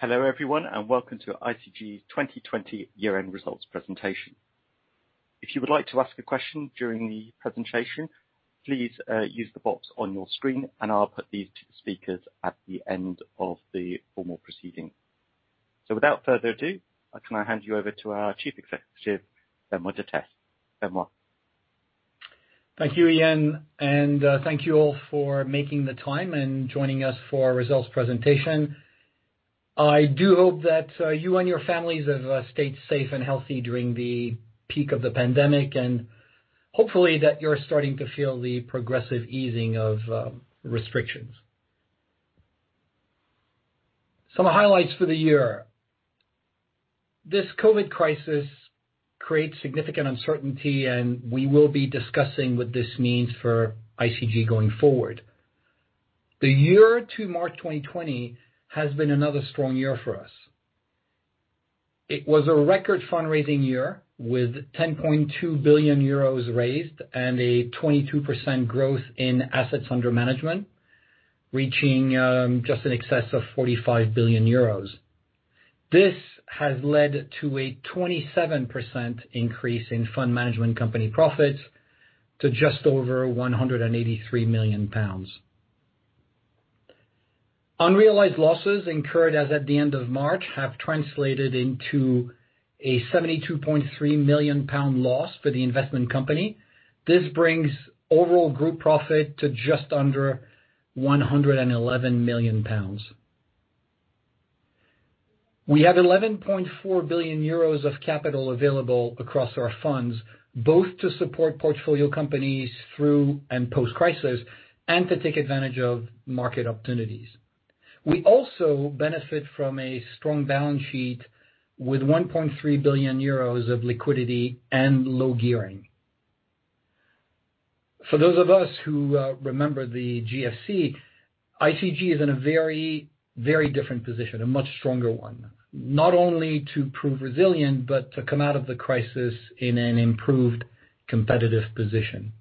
Hello everyone, and welcome to ICG's 2020 Year-end Results Presentation. If you would like to ask a question during the presentation, please use the box on your screen, and I'll pose these to the speakers at the end of the formal proceedings. Without further ado, can I hand you over to our Chief Executive, Benoît Durteste? Benoît? Thank you, Ian. Thank you all for making the time and joining us for our results presentation. I do hope that you and your families have stayed safe and healthy during the peak of the pandemic, and hopefully you're starting to feel the progressive easing of restrictions. Some highlights for the year. This COVID crisis creates significant uncertainty, and we will be discussing what this means for ICG going forward. The year to March 2020 has been another strong year for us. It was a record fundraising year, with 10.2 billion euros raised and a 22% growth in assets under management, reaching just in excess of 45 billion euros. This has led to a 27% increase in fund management company profits to just over 183 million pounds. Unrealized losses incurred as at the end of March have translated into a 72.3 million pound loss for the investment company. This brings overall group profit to just under 111 million pounds. We have 11.4 billion euros of capital available across our funds, both to support portfolio companies through and post-crisis and to take advantage of market opportunities. We also benefit from a strong balance sheet with 1.3 billion euros of liquidity and low gearing. For those of us who remember the GFC, ICG is in a very, very different position, a much stronger one. Not only to prove resilient but also to come out of the crisis in an improved competitive position.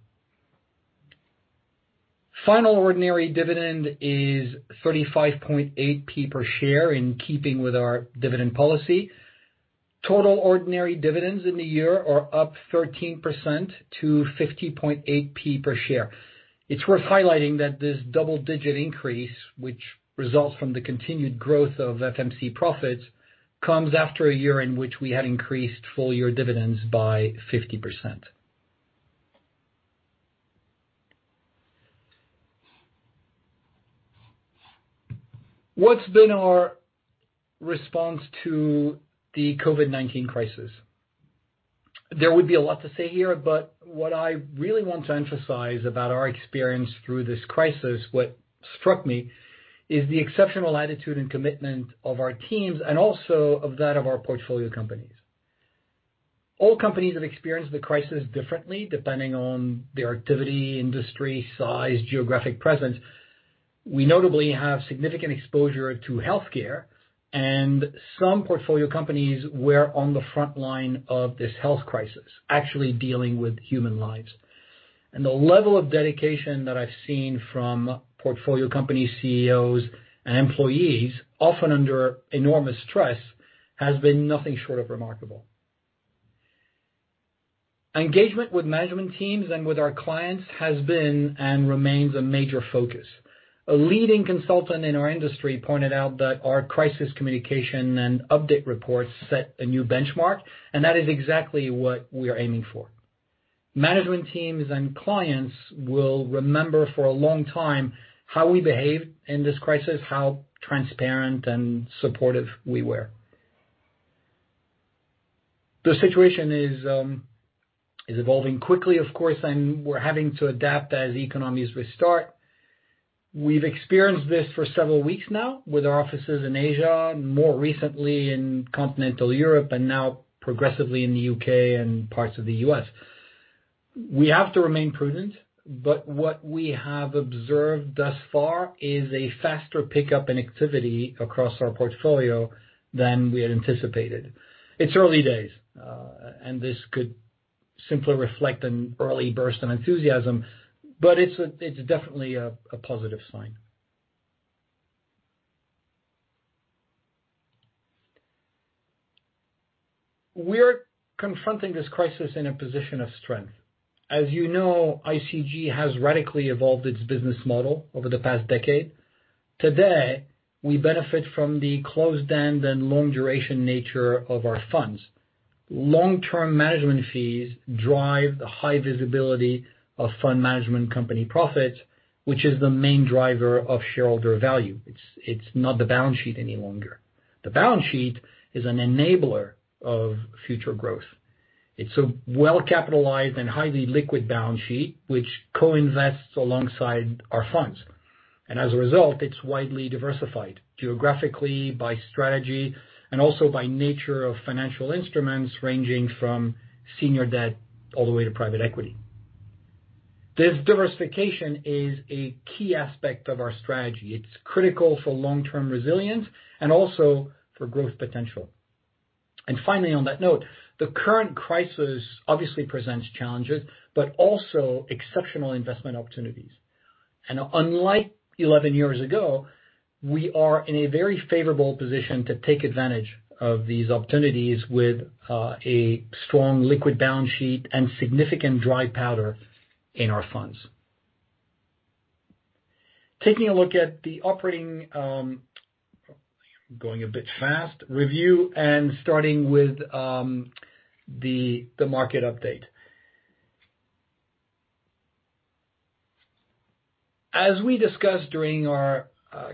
Final ordinary dividend is 0.358 per share in keeping with our dividend policy. Total ordinary dividends in the year are up 13% to 0.508 per share. It's worth highlighting that this double-digit increase, which results from the continued growth of FMC profits, comes after a year in which we had increased full-year dividends by 50%. What's been our response to the COVID-19 crisis? There would be a lot to say here, but what I really want to emphasize about our experience through this crisis, what struck me, is the exceptional attitude and commitment of our teams and also of that of our portfolio companies. All companies have experienced the crisis differently depending on their activity, industry, size, and geographic presence. We notably have significant exposure to healthcare, and some portfolio companies were on the front line of this health crisis, actually dealing with human lives. The level of dedication that I've seen from portfolio company CEOs and employees, often under enormous stress, has been nothing short of remarkable. Engagement with management teams and with our clients has been and remains a major focus. A leading consultant in our industry pointed out that our crisis communication and update reports set a new benchmark, and that is exactly what we are aiming for. Management teams and clients will remember for a long time how we behaved in this crisis and how transparent and supportive we were. The situation is evolving quickly, of course, and we're having to adapt as economies restart. We've experienced this for several weeks now with our offices in Asia and more recently in continental Europe, and now progressively in the U.K. and parts of the U.S. We have to remain prudent, but what we have observed thus far is a faster pickup in activity across our portfolio than we had anticipated. It's early days, and this could simply reflect an early burst of enthusiasm, but it's definitely a positive sign. We're confronting this crisis in a position of strength. As you know, ICG has radically evolved its business model over the past decade. Today, we benefit from the closed-end and long-duration nature of our funds. Long-term management fees drive the high visibility of fund management company profits, which is the main driver of shareholder value. It's not the balance sheet any longer. The balance sheet is an enabler of future growth. It's a well-capitalized and highly liquid balance sheet, which co-invests alongside our funds. As a result, it's widely diversified geographically by strategy and also by nature of financial instruments, ranging from senior debt all the way to private equity. This diversification is a key aspect of our strategy. It's critical for long-term resilience and also for growth potential. Finally, on that note, the current crisis obviously presents challenges but also exceptional investment opportunities. Unlike 11 years ago, we are in a very favorable position to take advantage of these opportunities with a strong liquid balance sheet and significant dry powder in our funds. Taking a look at the operating, going a bit fast, review, and starting with the market update. As we discussed during our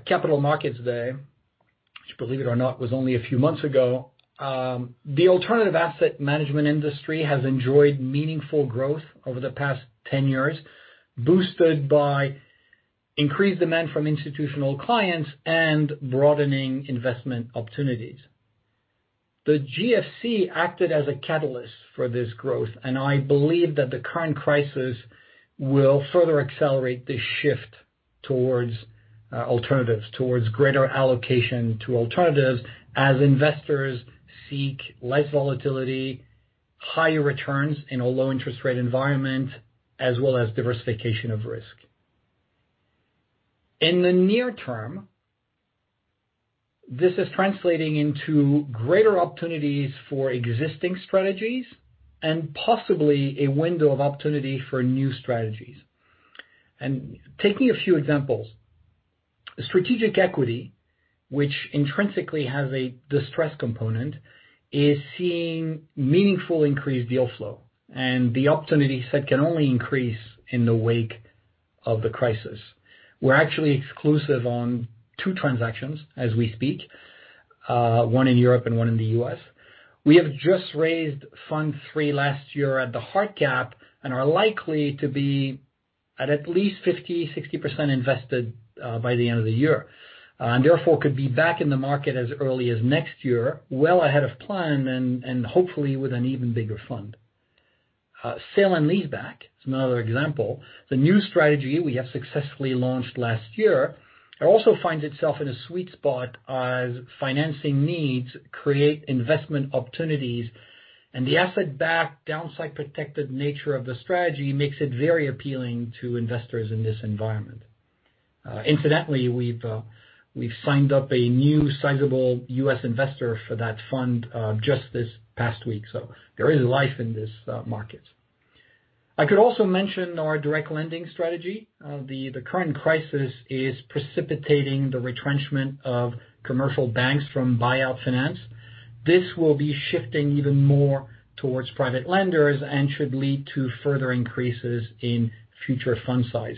Capital Markets Day, which, believe it or not, was only a few months ago, the alternative asset management industry has enjoyed meaningful growth over the past 10 years, boosted by increased demand from institutional clients and broadening investment opportunities. The GFC acted as a catalyst for this growth, and I believe that the current crisis will further accelerate this shift towards alternatives, towards greater allocation to alternatives as investors seek less volatility and higher returns in a low interest rate environment, as well as diversification of risk. In the near term, this is translating into greater opportunities for existing strategies and possibly a window of opportunity for new strategies. Taking a few examples, strategic equity, which intrinsically has a distress component, is seeing meaningful increased deal flow, and the opportunity set can only increase in the wake of the crisis. We're actually exclusive on two transactions as we speak, one in Europe and one in the U.S. We just raised three funds last year at the hard cap and are likely to be at least 50% or 60% invested by the end of the year and therefore could be back in the market as early as next year, well ahead of plan, and hopefully with an even bigger fund. Sale and leaseback is another example. The new strategy we successfully launched last year also finds itself in a sweet spot as financing needs create investment opportunities, and the asset-backed, downside-protected nature of the strategy makes it very appealing to investors in this environment. Incidentally, we've signed up a new sizable U.S. investor for that fund just this past week. There is life in this market. I could also mention our direct lending strategy. The current crisis is precipitating the retrenchment of commercial banks from buyout finance. This will be shifting even more towards private lenders and should lead to further increases in future fund size.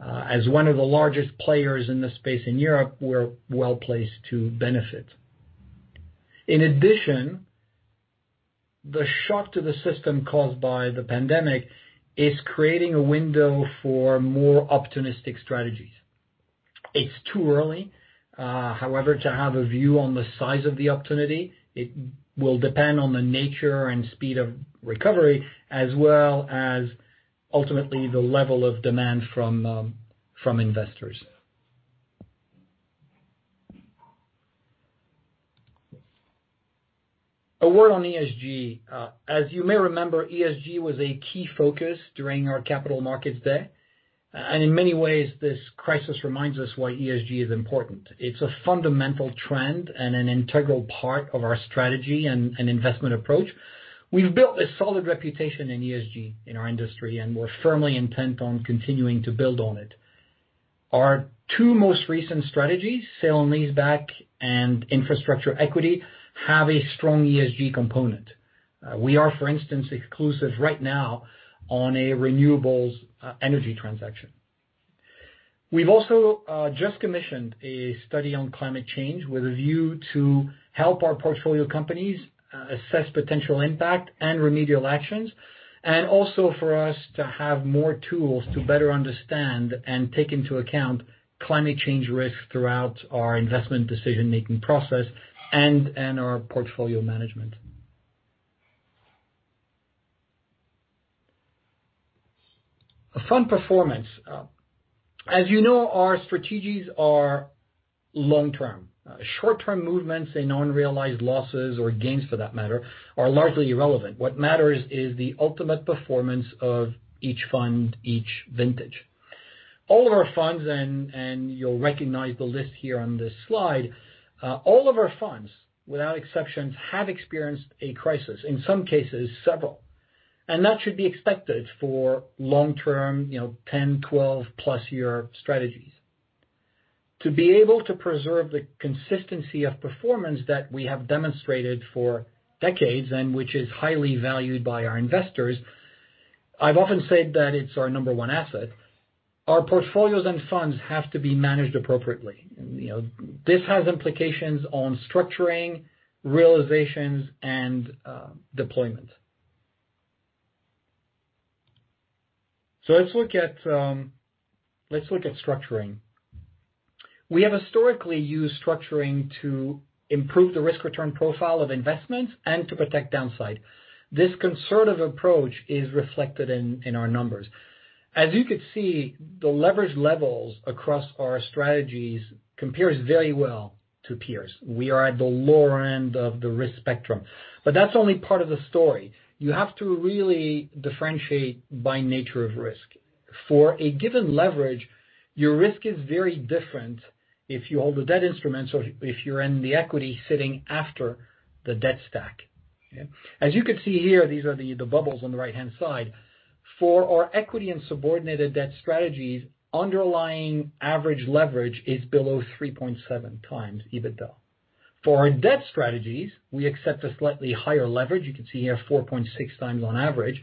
As one of the largest players in this space in Europe, we're well-placed to benefit. In addition, the shock to the system caused by the pandemic is creating a window for more opportunistic strategies. It's too early, however, to have a view on the size of the opportunity. It will depend on the nature and speed of recovery, as well as ultimately the level of demand from investors. A word on ESG. In many ways, this crisis reminds us why ESG is important. It's a fundamental trend and an integral part of our strategy and investment approach. We've built a solid reputation in ESG in our industry, and we're firmly intent on continuing to build on it. Our two most recent strategies, sale and leaseback and infrastructure equity, have a strong ESG component. We are, for instance, exclusive right now on a renewable energy transaction. We've also just commissioned a study on climate change with a view to help our portfolio companies assess potential impact and remedial actions and also for us to have more tools to better understand and take into account climate change risk throughout our investment decision-making process and in our portfolio management. Fund performance. As you know, our strategies are long-term. Short-term movements in unrealized losses or gains, for that matter, are largely irrelevant. What matters is the ultimate performance of each fund, each vintage. All of our funds, and you'll recognize the list here on this slide, all of our funds, without exceptions, have experienced a crisis, in some cases, several. That should be expected for long-term, 10- to +12-year strategies. To be able to preserve the consistency of performance that we have demonstrated for decades and which is highly valued by our investors, I've often said that it's our number one asset. Our portfolios and funds have to be managed appropriately. This has implications on structuring, realizations, and deployment. Let's look at structuring. We have historically used structuring to improve the risk-return profile of investments and to protect against downside. This conservative approach is reflected in our numbers. As you can see, the leverage levels across our strategies compare very well to peers. We are at the lower end of the risk spectrum. That's only part of the story. You have to really differentiate by nature of risk. For a given leverage, your risk is very different if you hold the debt instruments or if you're in the equity sitting below the debt stack. As you can see here, these are the bubbles on the right-hand side. For our equity and subordinated debt strategies, underlying average leverage is below 3.7x EBITDA. For our debt strategies, we accept a slightly higher leverage. You can see here 4.6x on average,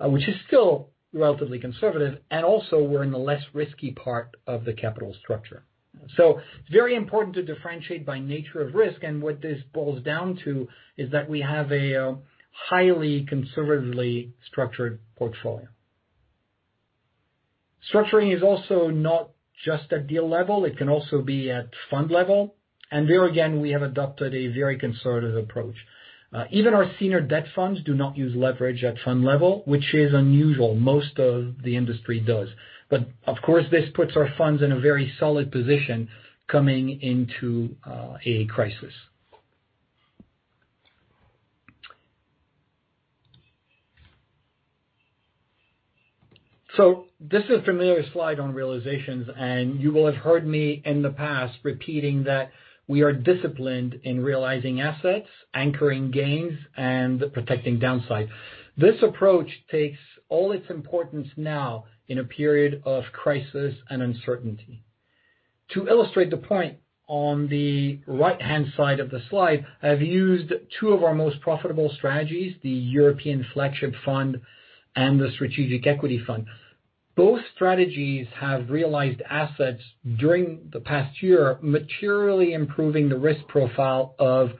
which is still relatively conservative. Also, we're in the less risky part of the capital structure. It's very important to differentiate by nature of risk. What this boils down to is that we have a highly conservatively structured portfolio. Structuring is also not just at the deal level, it can also be at the fund level. There again, we have adopted a very conservative approach. Even our senior debt funds do not use leverage at the fund level, which is unusual. Most of the industry does. Of course, this puts our funds in a very solid position coming into a crisis. This is a familiar slide on realizations, and you will have heard me in the past repeating that we are disciplined in realizing assets, anchoring gains, and protecting downside. This approach takes all its importance now in a period of crisis and uncertainty. To illustrate the point, on the right-hand side of the slide, I've used two of our most profitable strategies, the European Flagship Fund and the Strategic Equity Fund. Both strategies have realized assets during the past year, materially improving the risk profile of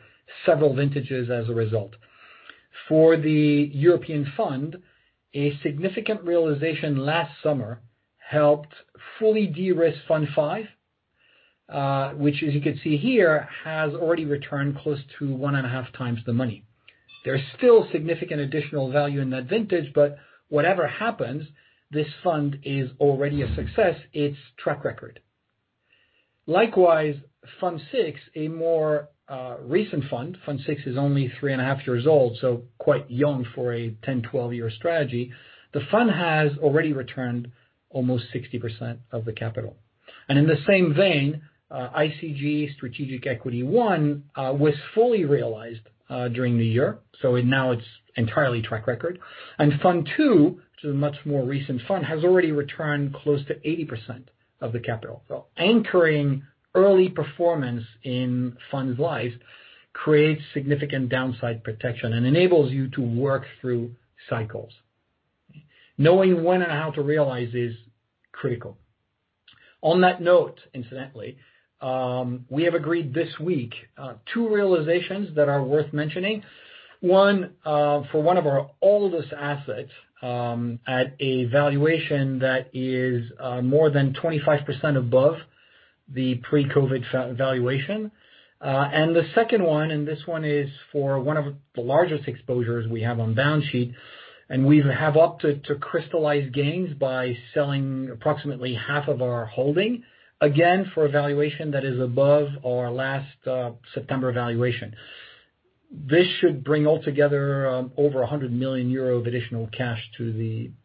several vintages as a result. For the European Fund, a significant realization last summer helped fully de-risk fund five, which, as you can see here, has already returned close to one and a half times the money. There's still significant additional value in that vintage, but whatever happens, this fund is already a success. It's track record. Likewise, Fund Six, a more recent fund, is only three and a half years old, so quite young for a 10- or 12-year strategy. The fund has already returned almost 60% of the capital. In the same vein, ICG Strategic Equity One was fully realized during the year. Now it's entirely a track record. Fund Two, which is a much more recent fund, has already returned close to 80% of the capital. Anchoring early performance in a fund's life creates significant downside protection and enables you to work through cycles. Knowing when and how to recognize is critical. On that note, incidentally, we have agreed this week on two realizations that are worth mentioning. One for one of our oldest assets at a valuation that is more than 25% above the pre-COVID valuation. The second one, and this one is for one of the largest exposures we have on balance sheet, and we have opted to crystallize gains by selling approximately half of our holding, again, for a valuation that is above our last September valuation. This should bring altogether over 100 million euro of additional cash to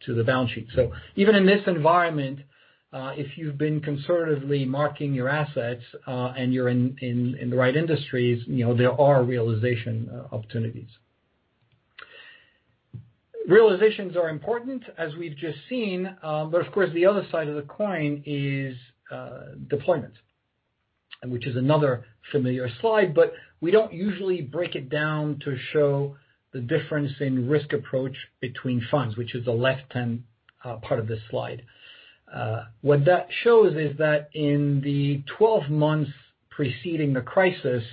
the balance sheet. Even in this environment, if you've been conservatively marking your assets and you're in the right industries, there are realization opportunities. Realizations are important, as we've just seen. Of course, the other side of the coin is deployment. Which is another familiar slide, but we don't usually break it down to show the difference in risk approach between funds, which is the left-hand part of this slide. What that shows is that in the 12 months preceding the crisis,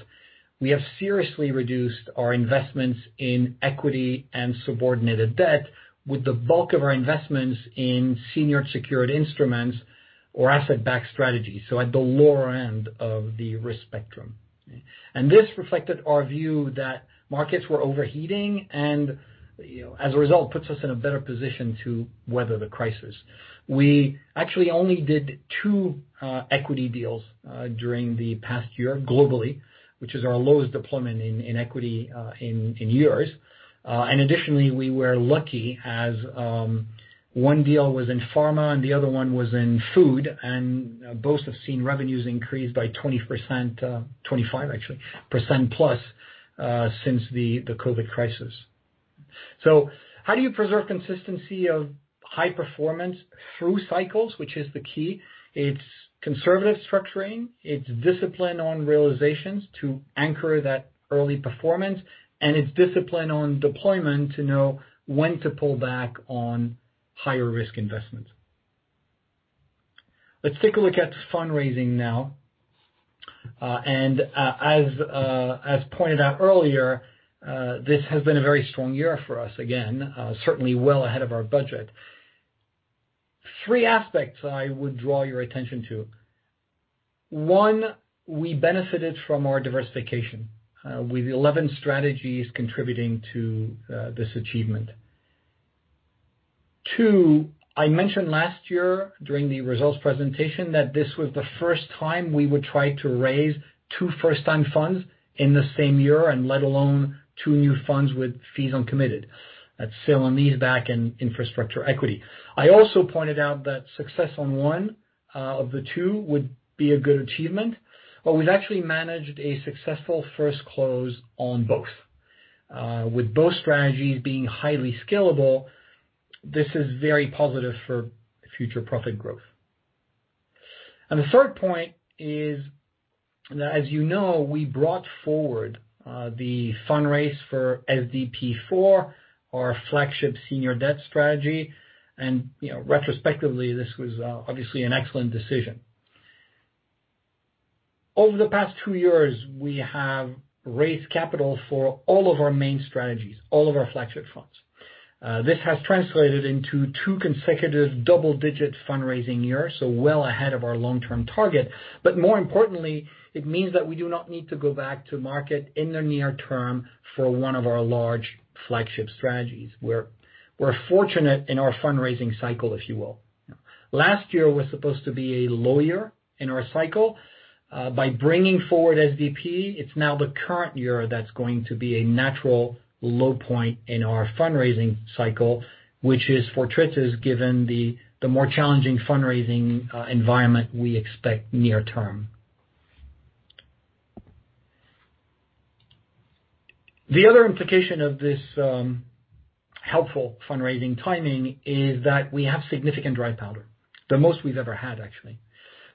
we have seriously reduced our investments in equity and subordinated debt, with the bulk of our investments in senior secured instruments or asset-backed strategies, so at the lower end of the risk spectrum. This reflected our view that markets were overheating and, as a result, puts us in a better position to weather the crisis. We actually only did two equity deals during the past year globally, which is our lowest deployment in equity in years. Additionally, we were lucky as one deal was in pharma and the other one was in food, and both have seen revenues increase by 20%, 25% actually, since the COVID crisis. How do you preserve consistency of high performance through cycles, which is the key? It's conservative structuring, it's discipline on realizations to anchor that early performance, and it's discipline on deployment to know when to pull back on higher-risk investments. Let's take a look at fundraising now. As pointed out earlier, this has been a very strong year for us again, certainly well ahead of our budget. Three aspects I would draw your attention to. One, we benefited from our diversification, with 11 strategies contributing to this achievement. Two, I mentioned last year during the results presentation that this was the first time we would try to raise two first-time funds in the same year, let alone two new funds with fees uncommitted. That's sale and leaseback and infrastructure equity. I also pointed out that success on one of the two would be a good achievement. We've actually managed a successful first close on both. With both strategies being highly scalable, this is very positive for future profit growth. The third point is that, as you know, we brought forward the fundraise for SDP4, our flagship senior debt strategy, and retrospectively, this was obviously an excellent decision. Over the past two years, we have raised capital for all of our main strategies, all of our flagship funds. This has translated into two consecutive double-digit fundraising years, so well ahead of our long-term target. More importantly, it means that we do not need to go back to market in the near term for one of our large flagship strategies, where we're fortunate in our fundraising cycle, if you will. Last year was supposed to be a low year in our cycle. By bringing forward SDP, it's now the current year that's going to be a natural low point in our fundraising cycle, which is fortuitous given the more challenging fundraising environment we expect near term. The other implication of this helpful fundraising timing is that we have significant dry powder. The most we've ever had, actually.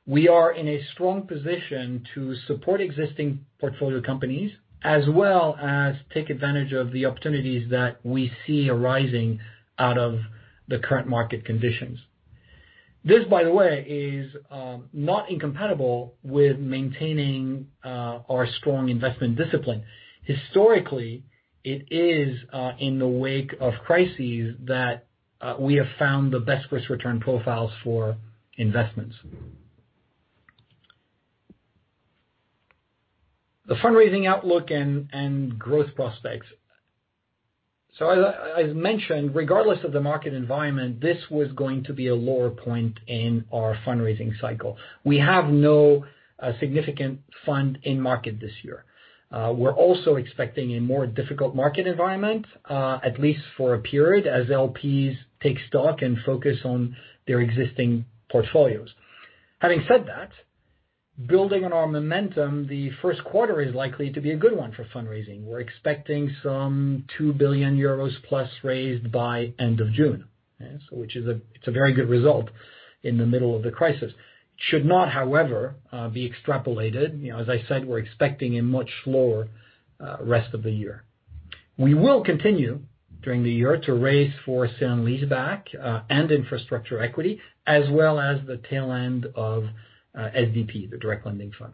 We are in a strong position to support existing portfolio companies, as well as take advantage of the opportunities that we see arising out of the current market conditions. This, by the way, is not incompatible with maintaining our strong investment discipline. Historically, it is in the wake of crises that we have found the best risk-return profiles for investments. The fundraising outlook and growth prospects. As mentioned, regardless of the market environment, this was going to be a lower point in our fundraising cycle. We have no significant funds in the market this year. We're also expecting a more difficult market environment, at least for a period, as LPs take stock and focus on their existing portfolios. Having said that, building on our momentum, the first quarter is likely to be a good one for fundraising. We're expecting some +2 billion euros to be raised by the end of June, which is a very good result in the middle of the crisis. Should not, however, be extrapolated. As I said, we're expecting a much slower rest of the year. We will continue during the year to raise funds for sale and leaseback and infrastructure equity, as well as the tail end of SDP, the direct lending fund.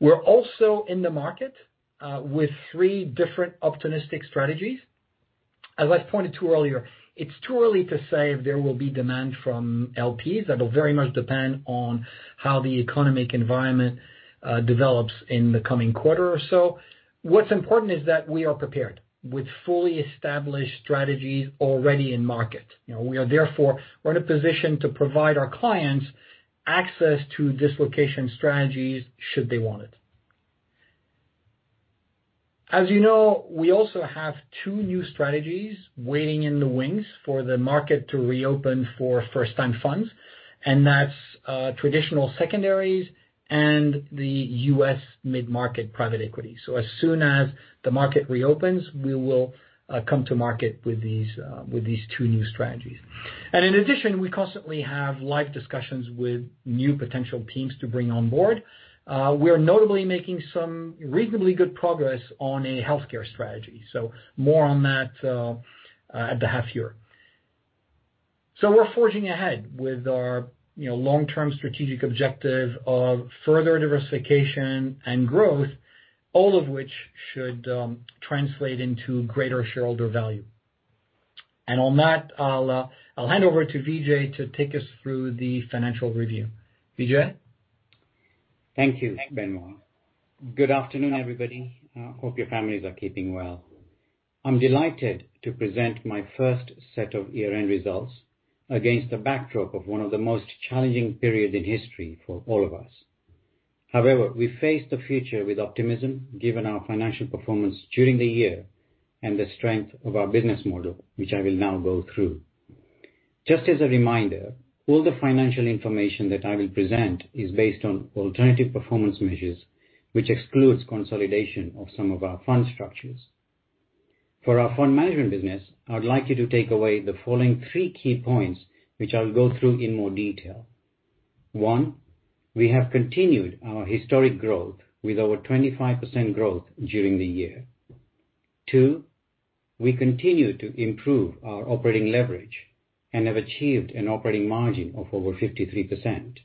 We're also in the market with three different opportunistic strategies. As I pointed to earlier, it's too early to say if there will be demand from LPs. That will very much depend on how the economic environment develops in the coming quarter or so. What's important is that we are prepared with fully established strategies already in the market. We are therefore in a position to provide our clients access to dislocation strategies should they want it. As you know, we also have two new strategies waiting in the wings for the market to reopen for first-time funds, and that's traditional secondaries and the U.S. mid-market private equity. As soon as the market reopens, we will come to market with these two new strategies. And in addition, we constantly have live discussions with new potential teams to bring on board. We are notably making some reasonably good progress on a healthcare strategy. More on that at the half-year. We're forging ahead with our long-term strategic objective of further diversification and growth, all of which should translate into greater shareholder value. On that, I'll hand over to Vijay to take us through the financial review. Vijay? Thank you, Benoît. Good afternoon, everybody. Hope your families are keeping well. I'm delighted to present my first set of year-end results against the backdrop of one of the most challenging periods in history for all of us. However, we face the future with optimism, given our financial performance during the year and the strength of our business model, which I will now go through. Just as a reminder, all the financial information that I will present is based on alternative performance measures, which excludes consolidation of some of our fund structures. For our fund management business, I would like you to take away the following three key points, which I'll go through in more detail. One, we have continued our historic growth with over 25% growth during the year. Two, we continue to improve our operating leverage and have achieved an operating margin of over 53%.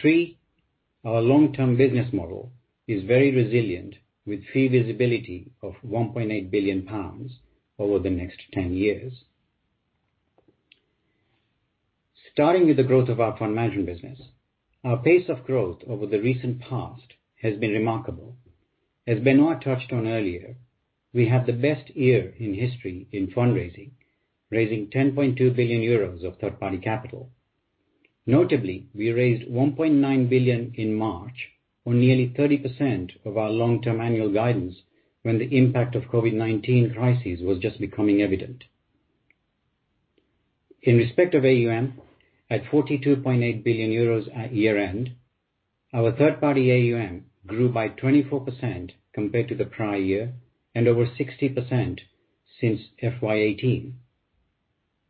Three, our long-term business model is very resilient, with fee visibility of 1.8 billion pounds over the next 10 years. Starting with the growth of our fund management business. Our pace of growth over the recent past has been remarkable. As Benoît touched on earlier, we had the best year in history in fundraising, raising 10.2 billion euros of third-party capital. Notably, we raised 1.9 billion in March, or nearly 30% of our long-term annual guidance, when the impact of the COVID-19 crisis was just becoming evident. In respect of AUM, at 42.8 billion euros at year-end, our third-party AUM grew by 24% compared to the prior year and over 60% since FY 2018.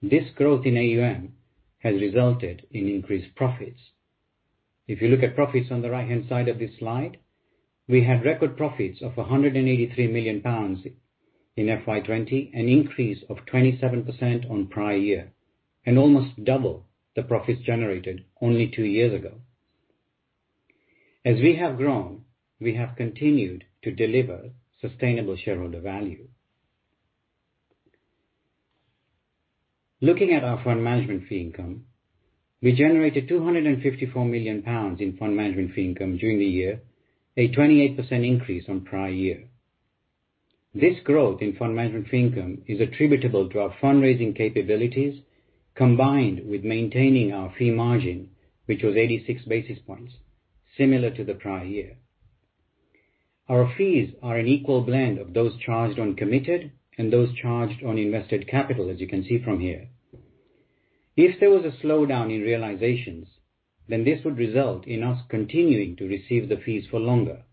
This growth in AUM has resulted in increased profits. If you look at profits on the right-hand side of this slide, we had record profits of 183 million pounds in FY 2020, an increase of 27% on the prior year, and almost double the profits generated only two years ago. As we have grown, we have continued to deliver sustainable shareholder value. Looking at our fund management fee income, we generated 254 million pounds in fund management fee income during the year, a 28% increase on the prior year. This growth in fund management fee income is attributable to our fundraising capabilities combined with maintaining our fee margin, which was 86 basis points, similar to the prior year. Our fees are an equal blend of those charged on committed capital and those charged on invested capital, as you can see from here. If there was a slowdown in realizations, then this would result in us continuing to receive the fees for longer.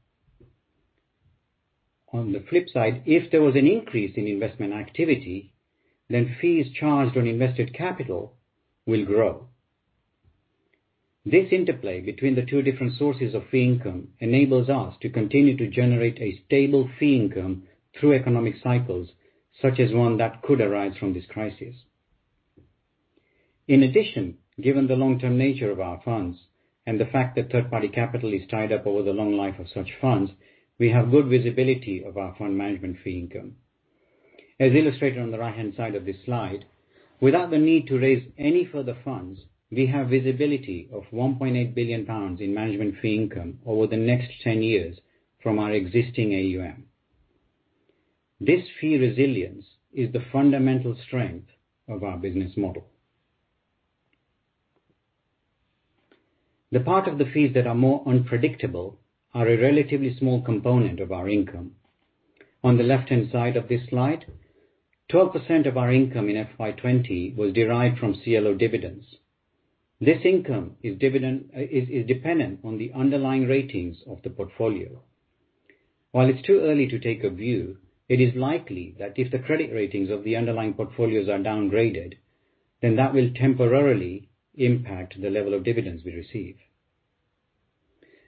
On the flip side, if there were an increase in investment activity, then fees charged on invested capital would grow. This interplay between the two different sources of fee income enables us to continue to generate a stable fee income through economic cycles, such as one that could arise from this crisis. In addition, given the long-term nature of our funds and the fact that third-party capital is tied up over the long life of such funds, we have good visibility of our fund management fee income. As illustrated on the right-hand side of this slide, without the need to raise any further funds, we have visibility of 1.8 billion pounds in management fee income over the next 10 years from our existing AUM. This fee resilience is the fundamental strength of our business model. The part of the fees that is more unpredictable is a relatively small component of our income. On the left-hand side of this slide, 12% of our income in FY 2020 was derived from CLO dividends. This income is dependent on the underlying ratings of the portfolio. While it's too early to take a view, it is likely that if the credit ratings of the underlying portfolios are downgraded, then that will temporarily impact the level of dividends we receive.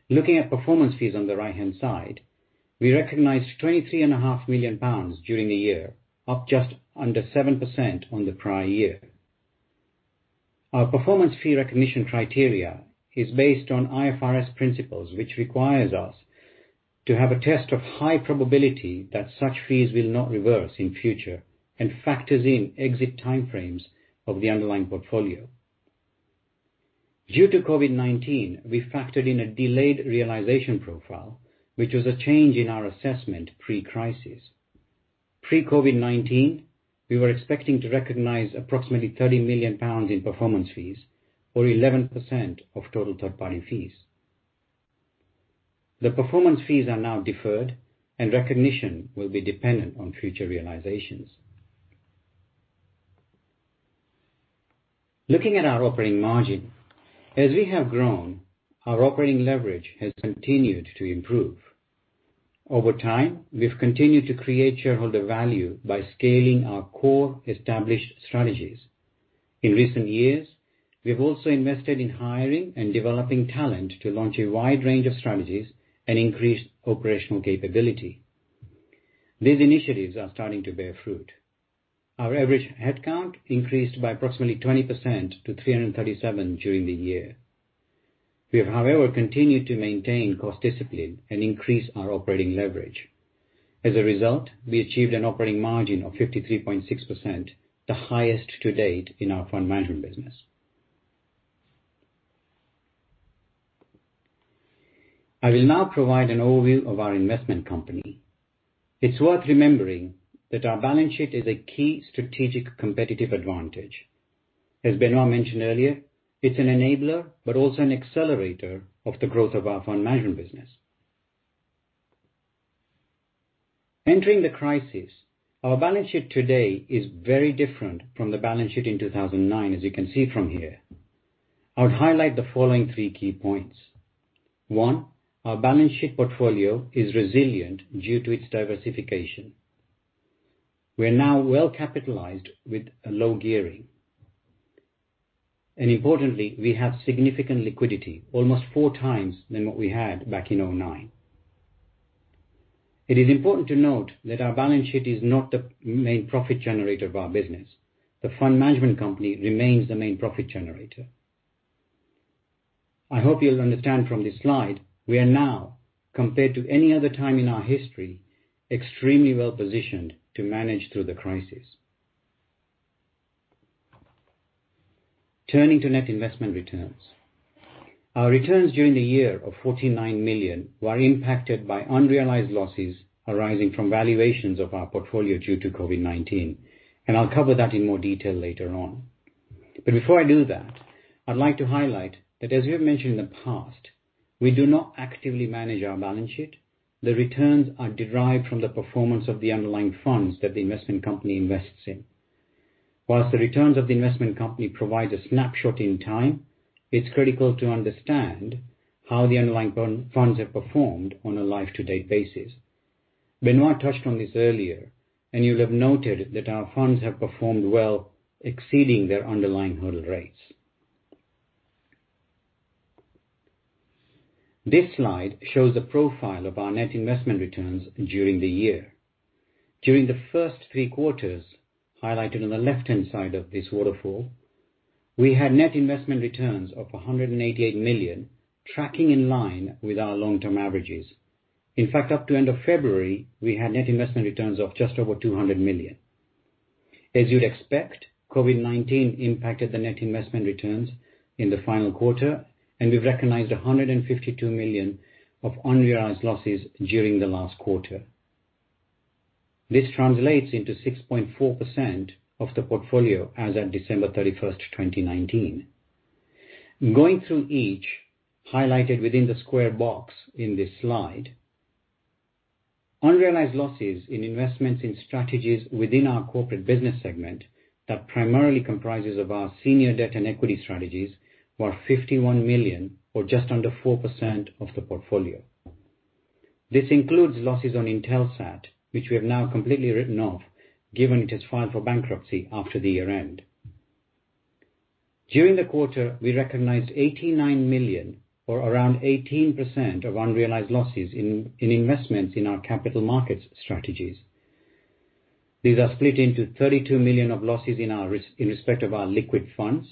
Looking at performance fees on the right-hand side, we recognized 23.5 million pounds during the year, up just under 7% on the prior year. Our performance fee recognition criteria are based on IFRS principles, which require us to have a test of high probability that such fees will not reverse in the future and factors in exit time frames of the underlying portfolio. Due to COVID-19, we factored in a delayed realization profile, which was a change in our assessment pre-crisis. Pre-COVID-19, we were expecting to recognize approximately 30 million pounds in performance fees, or 11% of total third-party fees. The performance fees are now deferred, and recognition will be dependent on future realizations. Looking at our operating margin. As we have grown, our operating leverage has continued to improve. Over time, we've continued to create shareholder value by scaling our core established strategies. In recent years, we've also invested in hiring and developing talent to launch a wide range of strategies and increase operational capability. These initiatives are starting to bear fruit. Our average headcount increased by approximately 20% to 337% during the year. We have, however, continued to maintain cost discipline and increase our operating leverage. As a result, we achieved an operating margin of 53.6%, the highest to date in our fund management business. I will now provide an overview of our investment company. It's worth remembering that our balance sheet is a key strategic competitive advantage. As Benoît mentioned earlier, it's an enabler, but also an accelerator of the growth of our fund management business. Entering the crisis, our balance sheet today is very different from the balance sheet in 2009, as you can see from here. I would highlight the following three key points. One, our balance sheet portfolio is resilient due to its diversification. We are now well capitalized with a low gearing. Importantly, we have significant liquidity, almost four times what we had back in 2009. It is important to note that our balance sheet is not the main profit generator of our business. The fund management company remains the main profit generator. I hope you'll understand from this slide we are now, compared to any other time in our history, extremely well-positioned to manage through the crisis. Turning to net investment returns. Our returns during the year of 49 million were impacted by unrealized losses arising from valuations of our portfolio due to COVID-19. I'll cover that in more detail later on. Before I do that, I'd like to highlight that as we have mentioned in the past, we do not actively manage our balance sheet. The returns are derived from the performance of the underlying funds that the investment company invests in. While the returns of the investment company provide a snapshot in time, it's critical to understand how the underlying funds have performed on a life-to-date basis. Benoît touched on this earlier, and you'll have noted that our funds have performed well, exceeding their underlying hurdle rates. This slide shows the profile of our net investment returns during the year. During the first three quarters, highlighted on the left-hand side of this waterfall, we had net investment returns of 188 million, tracking in line with our long-term averages. In fact, up to the end of February, we had net investment returns of just over 200 million. As you'd expect, COVID-19 impacted the net investment returns in the final quarter, and we've recognized 152 million of unrealized losses during the last quarter. This translates into 6.4% of the portfolio as at December 31st, 2019. Going through each, highlighted within the square box in this slide, unrealized losses in investments in strategies within our corporate business segment that primarily comprises our senior debt and equity strategies were 51 million, or just under 4% of the portfolio. This includes losses on Intelsat, which we have now completely written off, given it has filed for bankruptcy after the year-end. During the quarter, we recognized 89 million or around 18% of unrealized losses in investments in our capital markets strategies. These are split into 32 million of losses in respect of our liquid funds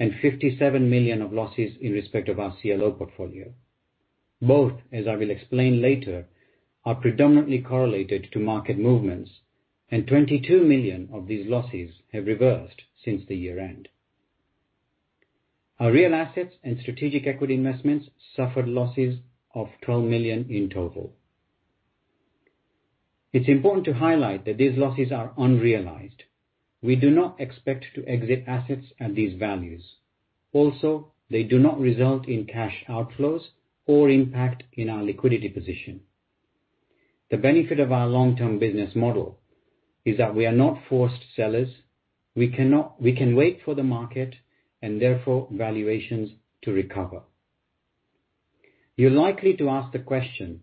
and 57 million of losses in respect of our CLO portfolio. Both, as I will explain later, are predominantly correlated to market movements, and 22 million of these losses have been reversed since the year-end. Our real assets and strategic equity investments suffered losses of 12 million in total. It's important to highlight that these losses are unrealized. We do not expect to exit assets at these values. They do not result in cash outflows or impact our liquidity position. The benefit of our long-term business model is that we are not forced sellers. We can wait for the market and therefore valuations to recover. You're likely to ask the question,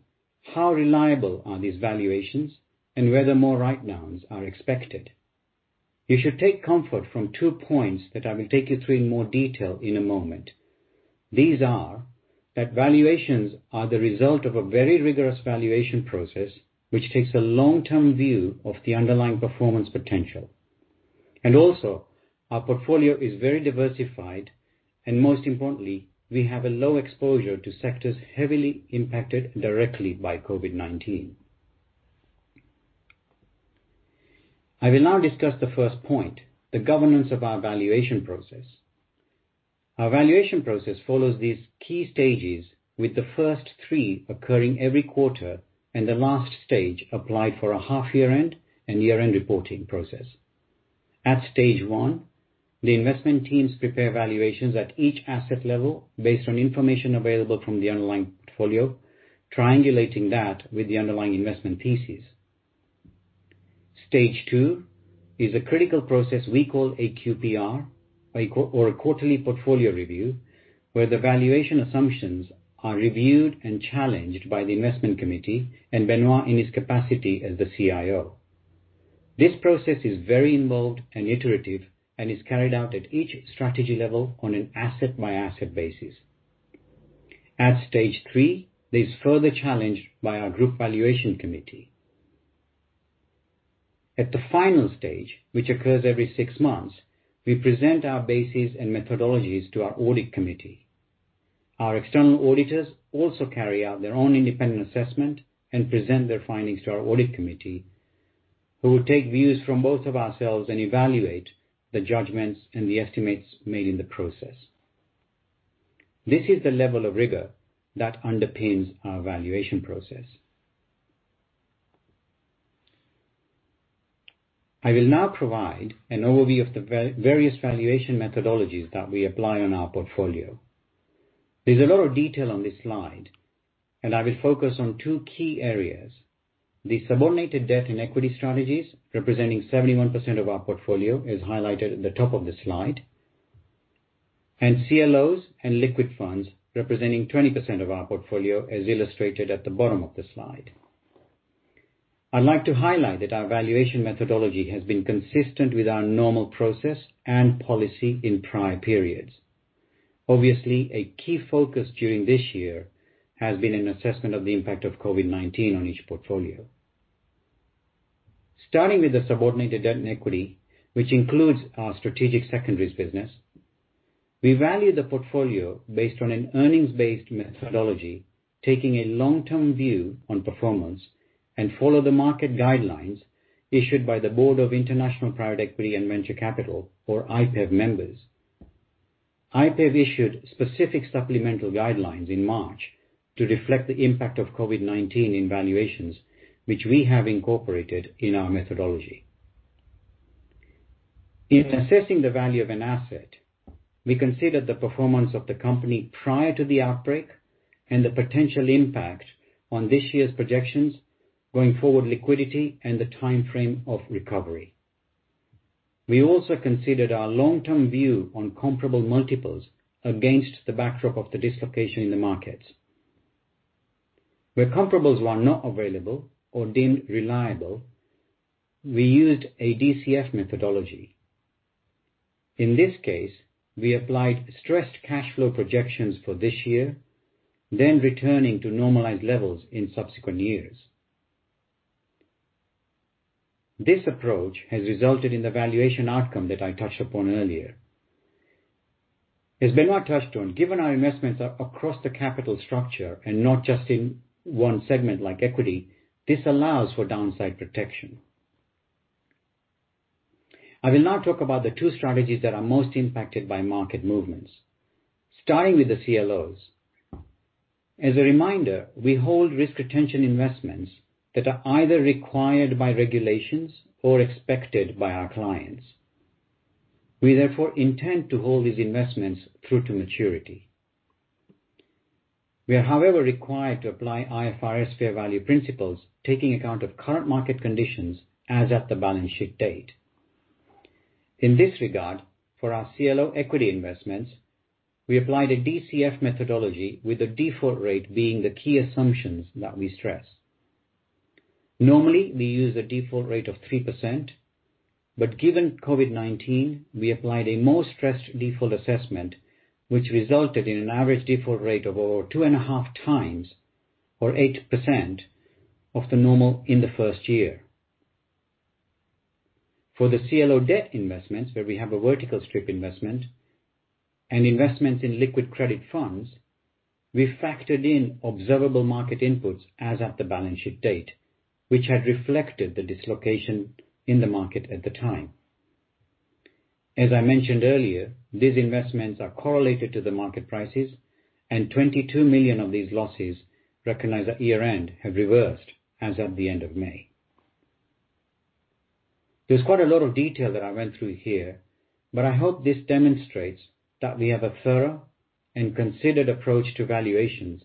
how reliable are these valuations and whether more write-downs are expected? You should take comfort from two points that I will take you through in more detail in a moment. These are that valuations are the result of a very rigorous valuation process, which takes a long-term view of the underlying performance potential. Our portfolio is very diversified, and most importantly, we have a low exposure to sectors heavily impacted directly by COVID-19. I will now discuss the first point, the governance of our valuation process. Our valuation process follows these key stages, with the first three occurring every quarter and the last stage applied for a half-year end and year-end reporting process. At stage one, the investment teams prepare valuations at each asset level based on information available from the underlying portfolio, triangulating that with the underlying investment thesis. Stage two is a critical process we call a QPR, or a quarterly portfolio review, where the valuation assumptions are reviewed and challenged by the investment committee and Benoît in his capacity as the CIO. This process is very involved and iterative and is carried out at each strategy level on an asset-by-asset basis. At stage three, there's further challenge by our group valuation committee. At the final stage, which occurs every six months, we present our basis and methodologies to our audit committee. Our external auditors also carry out their own independent assessment and present their findings to our audit committee, who will take views from both of us and evaluate the judgments and the estimates made in the process. This is the level of rigor that underpins our valuation process. I will now provide an overview of the various valuation methodologies that we apply to our portfolio. There's a lot of detail on this slide, and I will focus on two key areas. The subordinated debt and equity strategies, representing 71% of our portfolio, as highlighted at the top of the slide, and CLOs and liquid funds, representing 20% of our portfolio, as illustrated at the bottom of the slide. I'd like to highlight that our valuation methodology has been consistent with our normal process and policy in prior periods. Obviously, a key focus during this year has been an assessment of the impact of COVID-19 on each portfolio. Starting with the subordinated debt and equity, which includes our strategic secondaries business. We value the portfolio based on an earnings-based methodology, taking a long-term view on performance, and follow the market guidelines issued by the Board of International Private Equity and Venture Capital, or IPEV members. IPEV issued specific supplemental guidelines in March to reflect the impact of COVID-19 in valuations, which we have incorporated in our methodology. In assessing the value of an asset, we considered the performance of the company prior to the outbreak and the potential impact on this year's projections, going-forward liquidity, and the timeframe of recovery. We also considered our long-term view on comparable multiples against the backdrop of the dislocation in the markets. Where comparables were not available or deemed reliable, we used a DCF methodology. In this case, we applied stressed cash flow projections for this year, returning to normalized levels in subsequent years. This approach has resulted in the valuation outcome that I touched upon earlier. As Benoît touched on, given our investments are across the capital structure and not just in one segment like equity, this allows for downside protection. I will now talk about the two strategies that are most impacted by market movements, starting with the CLOs. As a reminder, we hold risk retention investments that are either required by regulations or expected by our clients. We therefore intend to hold these investments through to maturity. We are, however, required to apply IFRS fair value principles, taking account of current market conditions as at the balance sheet date. In this regard, for our CLO equity investments, we applied a DCF methodology with a default rate being the key assumptions that we stress. Normally, we use a default rate of 3%, but given COVID-19, we applied a more stressed default assessment, which resulted in an average default rate of over 2.5x, or 8%, of the normal, in the first year. For the CLO debt investments, where we have a vertical strip investment and investments in liquid credit funds, we factored in observable market inputs as at the balance sheet date, which had reflected the dislocation in the market at the time. As I mentioned earlier, these investments are correlated to the market prices, and 22 million of these losses recognized at year-end have reversed as of the end of May. There's quite a lot of detail that I went through here, but I hope this demonstrates that we have a thorough and considered approach to valuations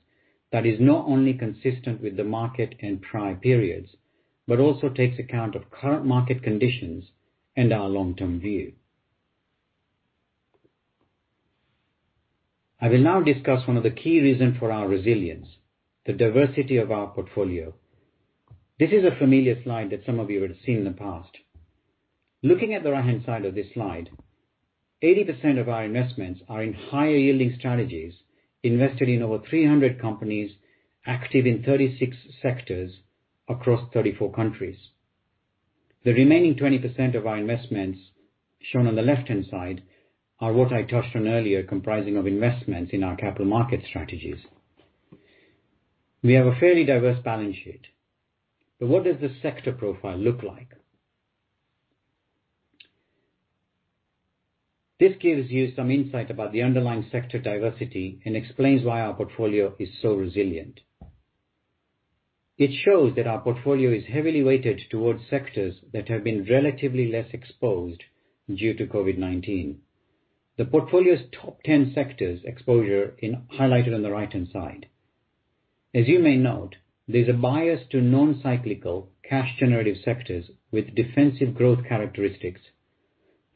that is not only consistent with the market in prior periods but also takes account of current market conditions and our long-term view. I will now discuss one of the key reasons for our resilience, the diversity of our portfolio. This is a familiar slide that some of you would have seen in the past. Looking at the right-hand side of this slide, 80% of our investments are in higher-yielding strategies invested in over 300 companies active in 36 sectors across 34 countries. The remaining 20% of our investments, shown on the left-hand side, are what I touched on earlier, comprising investments in our capital market strategies. We have a fairly diverse balance sheet. What does the sector profile look like? This gives you some insight about the underlying sector diversity and explains why our portfolio is so resilient. It shows that our portfolio is heavily weighted towards sectors that have been relatively less exposed due to COVID-19. The portfolio's top 10 sectors' exposure is highlighted on the right-hand side. As you may note, there's a bias to non-cyclical cash-generative sectors with defensive growth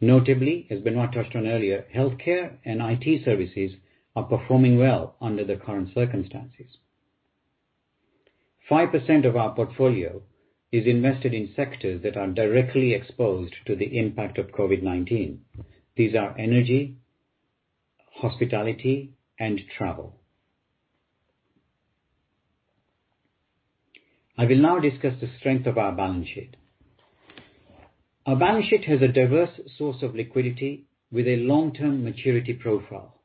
characteristics. Notably, as Benoît touched on earlier, healthcare and IT services are performing well under the current circumstances. 5% of our portfolio is invested in sectors that are directly exposed to the impact of COVID-19. These are energy, hospitality, and travel. I will now discuss the strength of our balance sheet. Our balance sheet has a diverse source of liquidity with a long-term maturity profile.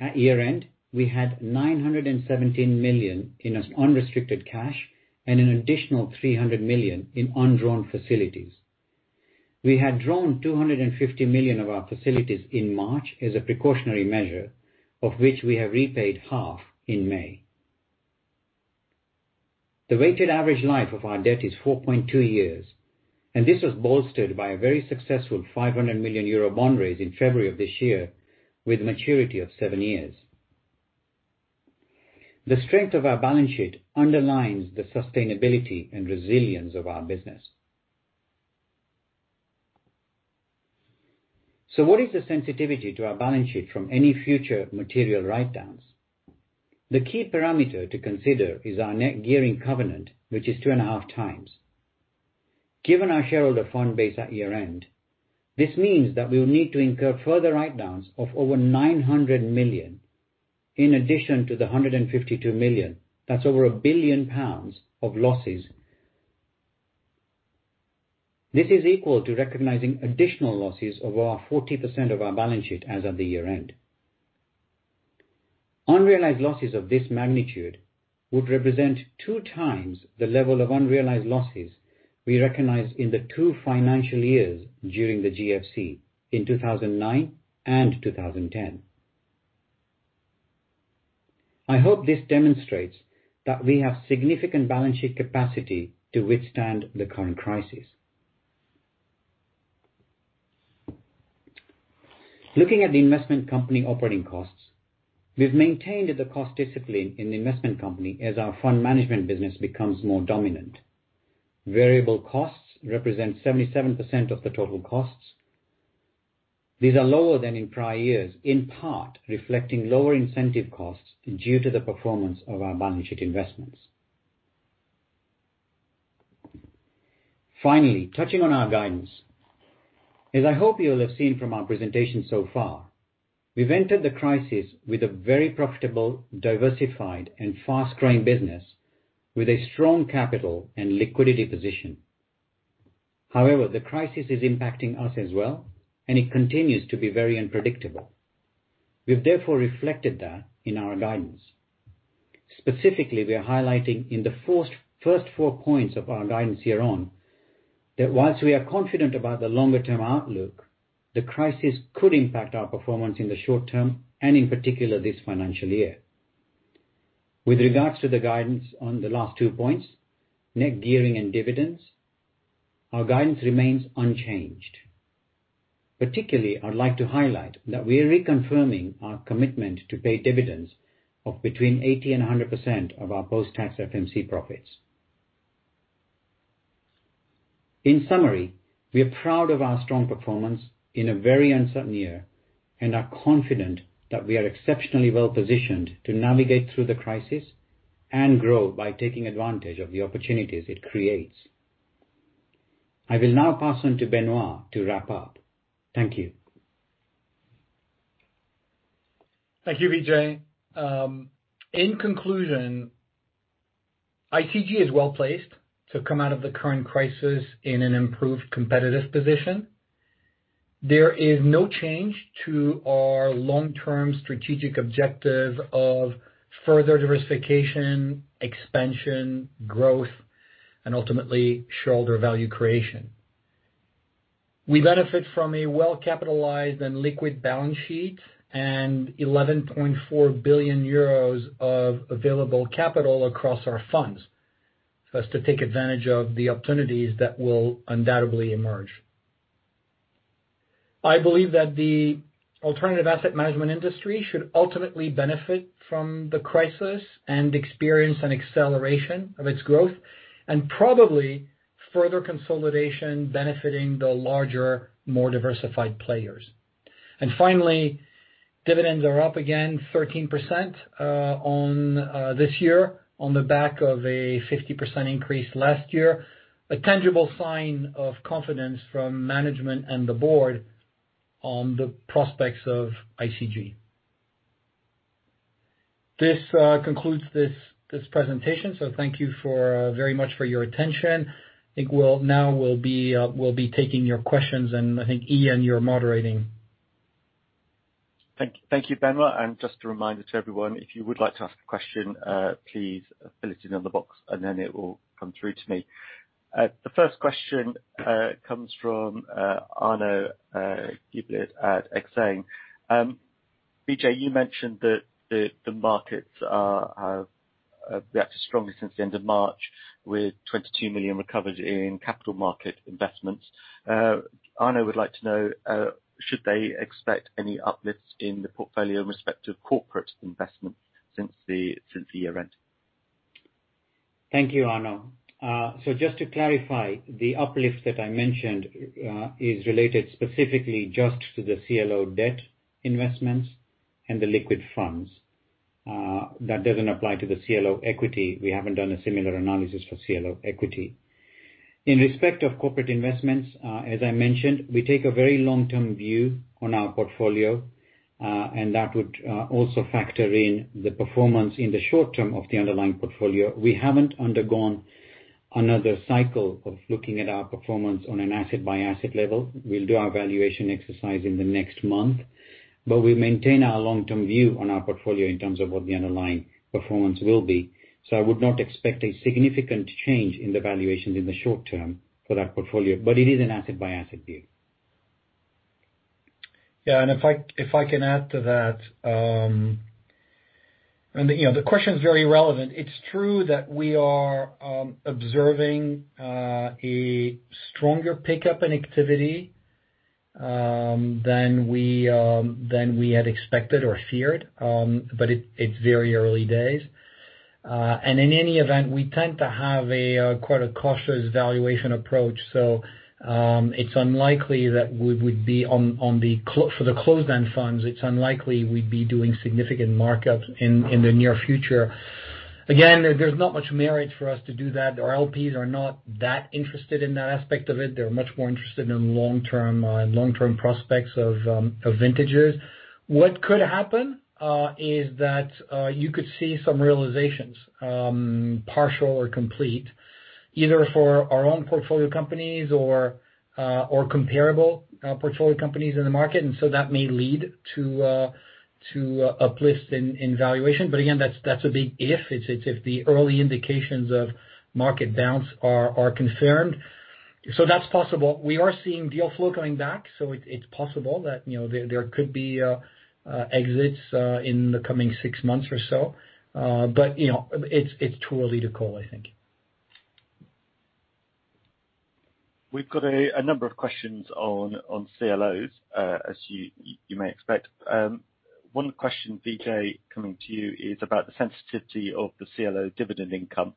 At year-end, we had 917 million in unrestricted cash and an additional 300 million in undrawn facilities. We had drawn 250 million from our facilities in March as a precautionary measure, of which we have repaid half in May. The weighted average life of our debt is 4.2 years, and this was bolstered by a very successful 500 million euro bond raise in February of this year with a maturity of seven years. The strength of our balance sheet underlines the sustainability and resilience of our business. What is the sensitivity to our balance sheet from any future material write-downs? The key parameter to consider is our net gearing covenant, which is 2.5x. Given our shareholder fund base at year-end, this means that we will need to incur further write-downs of over 900 million. In addition to the 152 million, that's over 1 billion pounds of losses. This is equal to recognizing additional losses of over 40% of our balance sheet as of the year-end. Unrealized losses of this magnitude would represent two times the level of unrealized losses we recognized in the two financial years during the GFC in 2009 and 2010. I hope this demonstrates that we have significant balance sheet capacity to withstand the current crisis. Looking at the investment company operating costs, we've maintained the cost discipline in the investment company as our fund management business becomes more dominant. Variable costs represent 77% of the total costs. These are lower than in prior years, in part reflecting lower incentive costs due to the performance of our balance sheet investments. Finally, touching on our guidance. As I hope you'll have seen from our presentation so far, we've entered the crisis with a very profitable, diversified, and fast-growing business with a strong capital and liquidity position. However, the crisis is impacting us as well, and it continues to be very unpredictable. We've therefore reflected that in our guidance. Specifically, we are highlighting in the first four points of our guidance here that, whilst we are confident about the longer-term outlook, the crisis could impact our performance in the short term and, in particular, this financial year. With regards to the guidance on the last two points, net gearing and dividends, our guidance remains unchanged. Particularly, I'd like to highlight that we are reconfirming our commitment to pay dividends of between 80% and 100% of our post-tax FMC profits. In summary, we are proud of our strong performance in a very uncertain year and are confident that we are exceptionally well-positioned to navigate through the crisis and grow by taking advantage of the opportunities it creates. I will now pass on to Benoît to wrap up. Thank you. Thank you, Vijay. In conclusion, ICG is well-placed to come out of the current crisis in an improved competitive position. There is no change to our long-term strategic objective of further diversification, expansion, growth, and ultimately shareholder value creation. We benefit from a well-capitalized and liquid balance sheet and 11.4 billion euros of available capital across our funds for us to take advantage of the opportunities that will undoubtedly emerge. I believe that the alternative asset management industry should ultimately benefit from the crisis and experience an acceleration of its growth and probably further consolidation, benefiting the larger, more diversified players. Finally, dividends are up again 13% this year on the back of a 50% increase last year. A tangible sign of confidence from management and the board on the prospects of ICG. This concludes this presentation. Thank you very much for your attention. I think now we'll be taking your questions, and I think, Ian, you're moderating. Thank you, Benoît. Just a reminder to everyone, if you would like to ask a question, please fill it in in the box, and then it will come through to me. The first question comes from Arnaud Giblat at Exane. Vijay, you mentioned that the markets have reacted strongly since the end of March, with 22 million recovered in capital market investments. Arnaud would like to know, should they expect any uplifts in the portfolio in respect of corporate investments since the year-end? Thank you, Arnaud. Just to clarify, the uplift that I mentioned is related specifically just to the CLO debt investments and the liquid funds. That doesn't apply to the CLO equity. We haven't done a similar analysis for CLO equity. In respect of corporate investments, as I mentioned, we take a very long-term view on our portfolio, and that would also factor in the performance in the short term of the underlying portfolio. We haven't undergone another cycle of looking at our performance on an asset by asset level. We'll do our valuation exercise in the next month. We maintain our long-term view on our portfolio in terms of what the underlying performance will be. I would not expect a significant change in the valuations in the short term for that portfolio, but it is an asset-by-asset view. Yeah. If I can add to that, the question is very relevant. It's true that we are observing a stronger pickup in activity than we had expected or feared, but it's very early days. In any event, we tend to have quite a cautious valuation approach. For the closed-end funds, it's unlikely we'd be doing significant markups in the near future. Again, there's not much merit for us to do that. Our LPs are not that interested in that aspect of it. They're much more interested in long-term prospects of vintages. What could happen is that you could see some realizations, partial or complete, either for our own portfolio companies or comparable portfolio companies in the market. That may lead to an uplift in valuation. Again, that's a big if. It's if the early indications of market downs are confirmed. That's possible. We are seeing deal flow coming back, so it's possible that there could be exits in the coming six months or so. It's too early to call, I think. We've got a number of questions on CLOs, as you may expect. One question, Vijay, coming to you is about the sensitivity of the CLO dividend income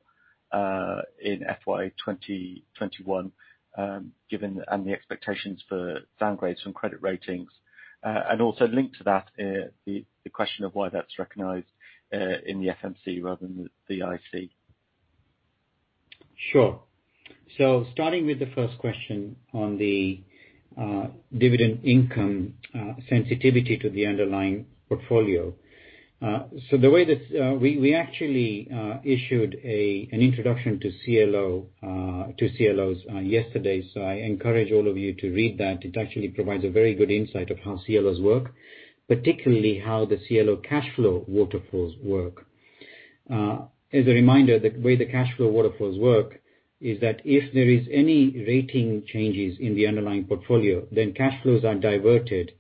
in FY 2021, and the expectations for downgrades from credit ratings. Also linked to that, the question of why that's recognized in the FMC rather than the IC. Sure. Starting with the first question on the dividend income sensitivity to the underlying portfolio. We actually issued an introduction to CLOs yesterday, so I encourage all of you to read that. It actually provides a very good insight into how CLOs work, particularly how the CLO cash flow waterfalls work. As a reminder, the way the cash flow waterfalls work is that if there are any rating changes in the underlying portfolio, then cash flows are diverted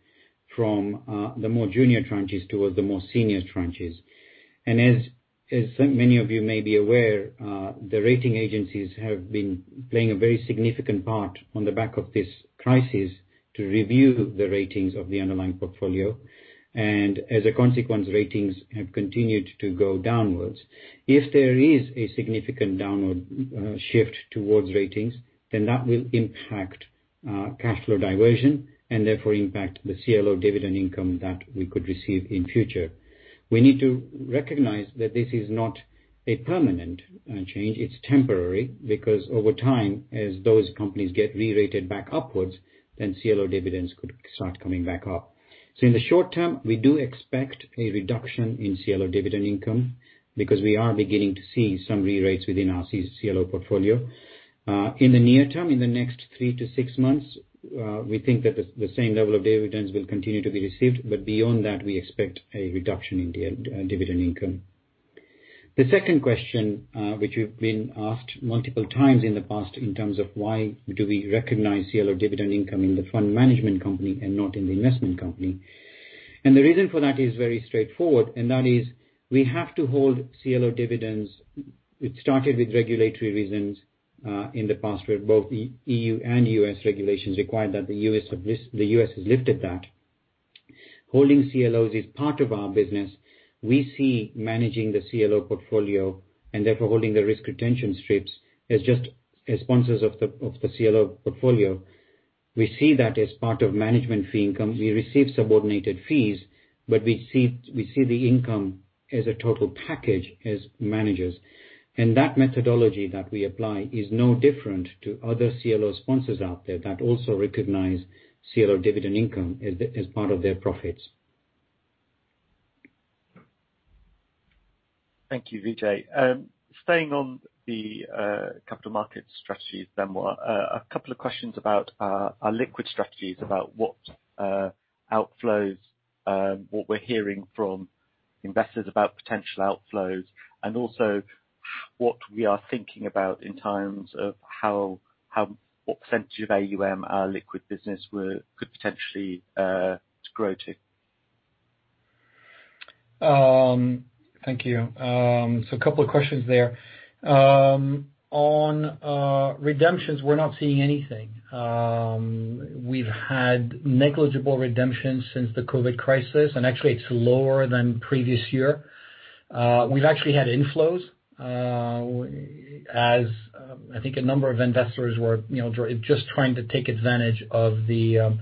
from the more junior tranches towards the more senior tranches. As many of you may be aware, the rating agencies have been playing a very significant part on the back of this crisis to review the ratings of the underlying portfolio. As a consequence, ratings have continued to go downwards. If there is a significant downward shift towards ratings, then that will impact cash flow diversion and therefore impact the CLO dividend income that we could receive in the future. We need to recognize that this is not a permanent change. It's temporary, because over time, as those companies get re-rated back upwards, then CLO dividends could start coming back up. In the short term, we do expect a reduction in CLO dividend income because we are beginning to see some re-rates within our CLO portfolio. In the near term, in the next three to six months, we think that the same level of dividends will continue to be received. Beyond that, we expect a reduction in dividend income. The second question, which we've been asked multiple times in the past, is in terms of why we recognize CLO dividend income in the fund management company and not in the investment company. The reason for that is very straightforward, and that is we have to hold CLO dividends. It started with regulatory reasons in the past, where both EU and U.S. regulations required that. The U.S. has lifted that. Holding CLOs is part of our business. We see managing the CLO portfolio and therefore holding the risk retention strips as sponsors of the CLO portfolio. We see that as part of management fee income. We receive subordinated fees, we see the income as a total package as managers. That methodology that we apply is no different from other CLO sponsors out there that also recognize CLO dividend income as part of their profits. Thank you, Vijay. Staying on the capital markets strategies then, a couple of questions about our liquid strategies, about what outflows we're hearing from investors about potential outflows, and also what we are thinking about in terms of what percentage of AUM our liquid business could potentially grow to. Thank you. A couple of questions there. On redemptions, we're not seeing anything. We've had negligible redemptions since the COVID-19 crisis, and actually it's lower than the previous year. We've actually had inflows, as I think a number of investors were just trying to take advantage of the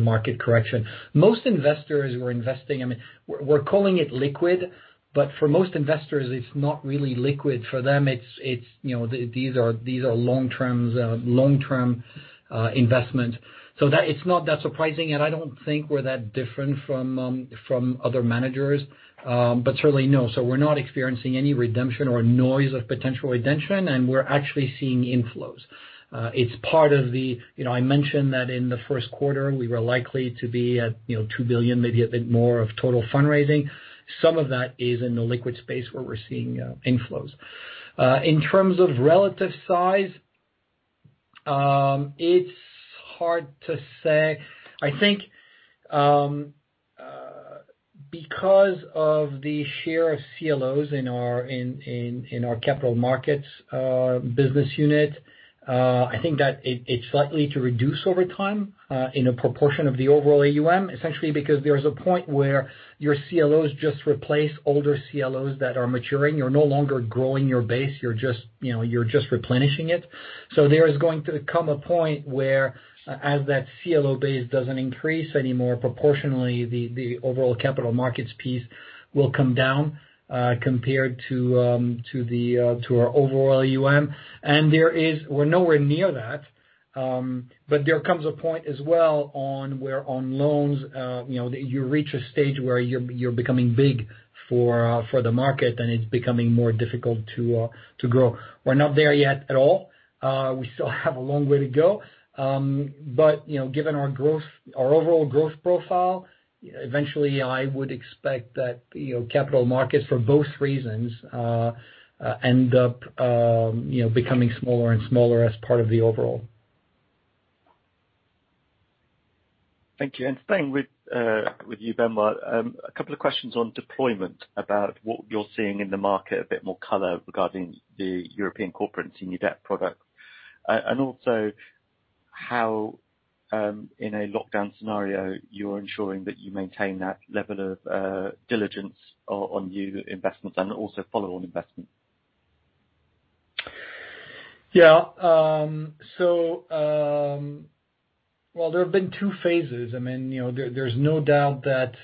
market correction. Most investors were investing. We're calling it liquid, but for most investors, it's not really liquid. For them, these are long-term investments. It's not that surprising, and I don't think we're that different from other managers. Certainly no. We're not experiencing any redemption or noise of potential redemption, and we're actually seeing inflows. I mentioned that in the first quarter, we were likely to be at 2 billion, maybe a bit more, of total fundraising. Some of that is in the liquid space where we're seeing inflows. In terms of relative size, it's hard to say. I think because of the share of CLOs in our capital markets business unit, I think that it's likely to reduce over time in a proportion of the overall AUM, essentially because there's a point where your CLOs just replace older CLOs that are maturing. You're no longer growing your base. You're just replenishing it. There is going to come a point where, as that CLO base doesn't increase anymore proportionally, the overall capital markets piece will come down compared to our overall AUM. We're nowhere near that. There comes a point as well where, on loans, you reach a stage where you're becoming big for the market, and it's becoming more difficult to grow. We're not there yet at all. We still have a long way to go. Given our overall growth profile, eventually I would expect that capital markets, for both reasons, end up becoming smaller and smaller as part of the whole. Thank you. Staying with you, Benoît, a couple of questions on deployment about what you're seeing in the market and a bit more color regarding the European corporate senior debt product. Also, how, in a lockdown scenario, are you ensuring that you maintain that level of diligence on new investments and also follow-on investments? Yeah. Well, there have been two phases. There's no doubt that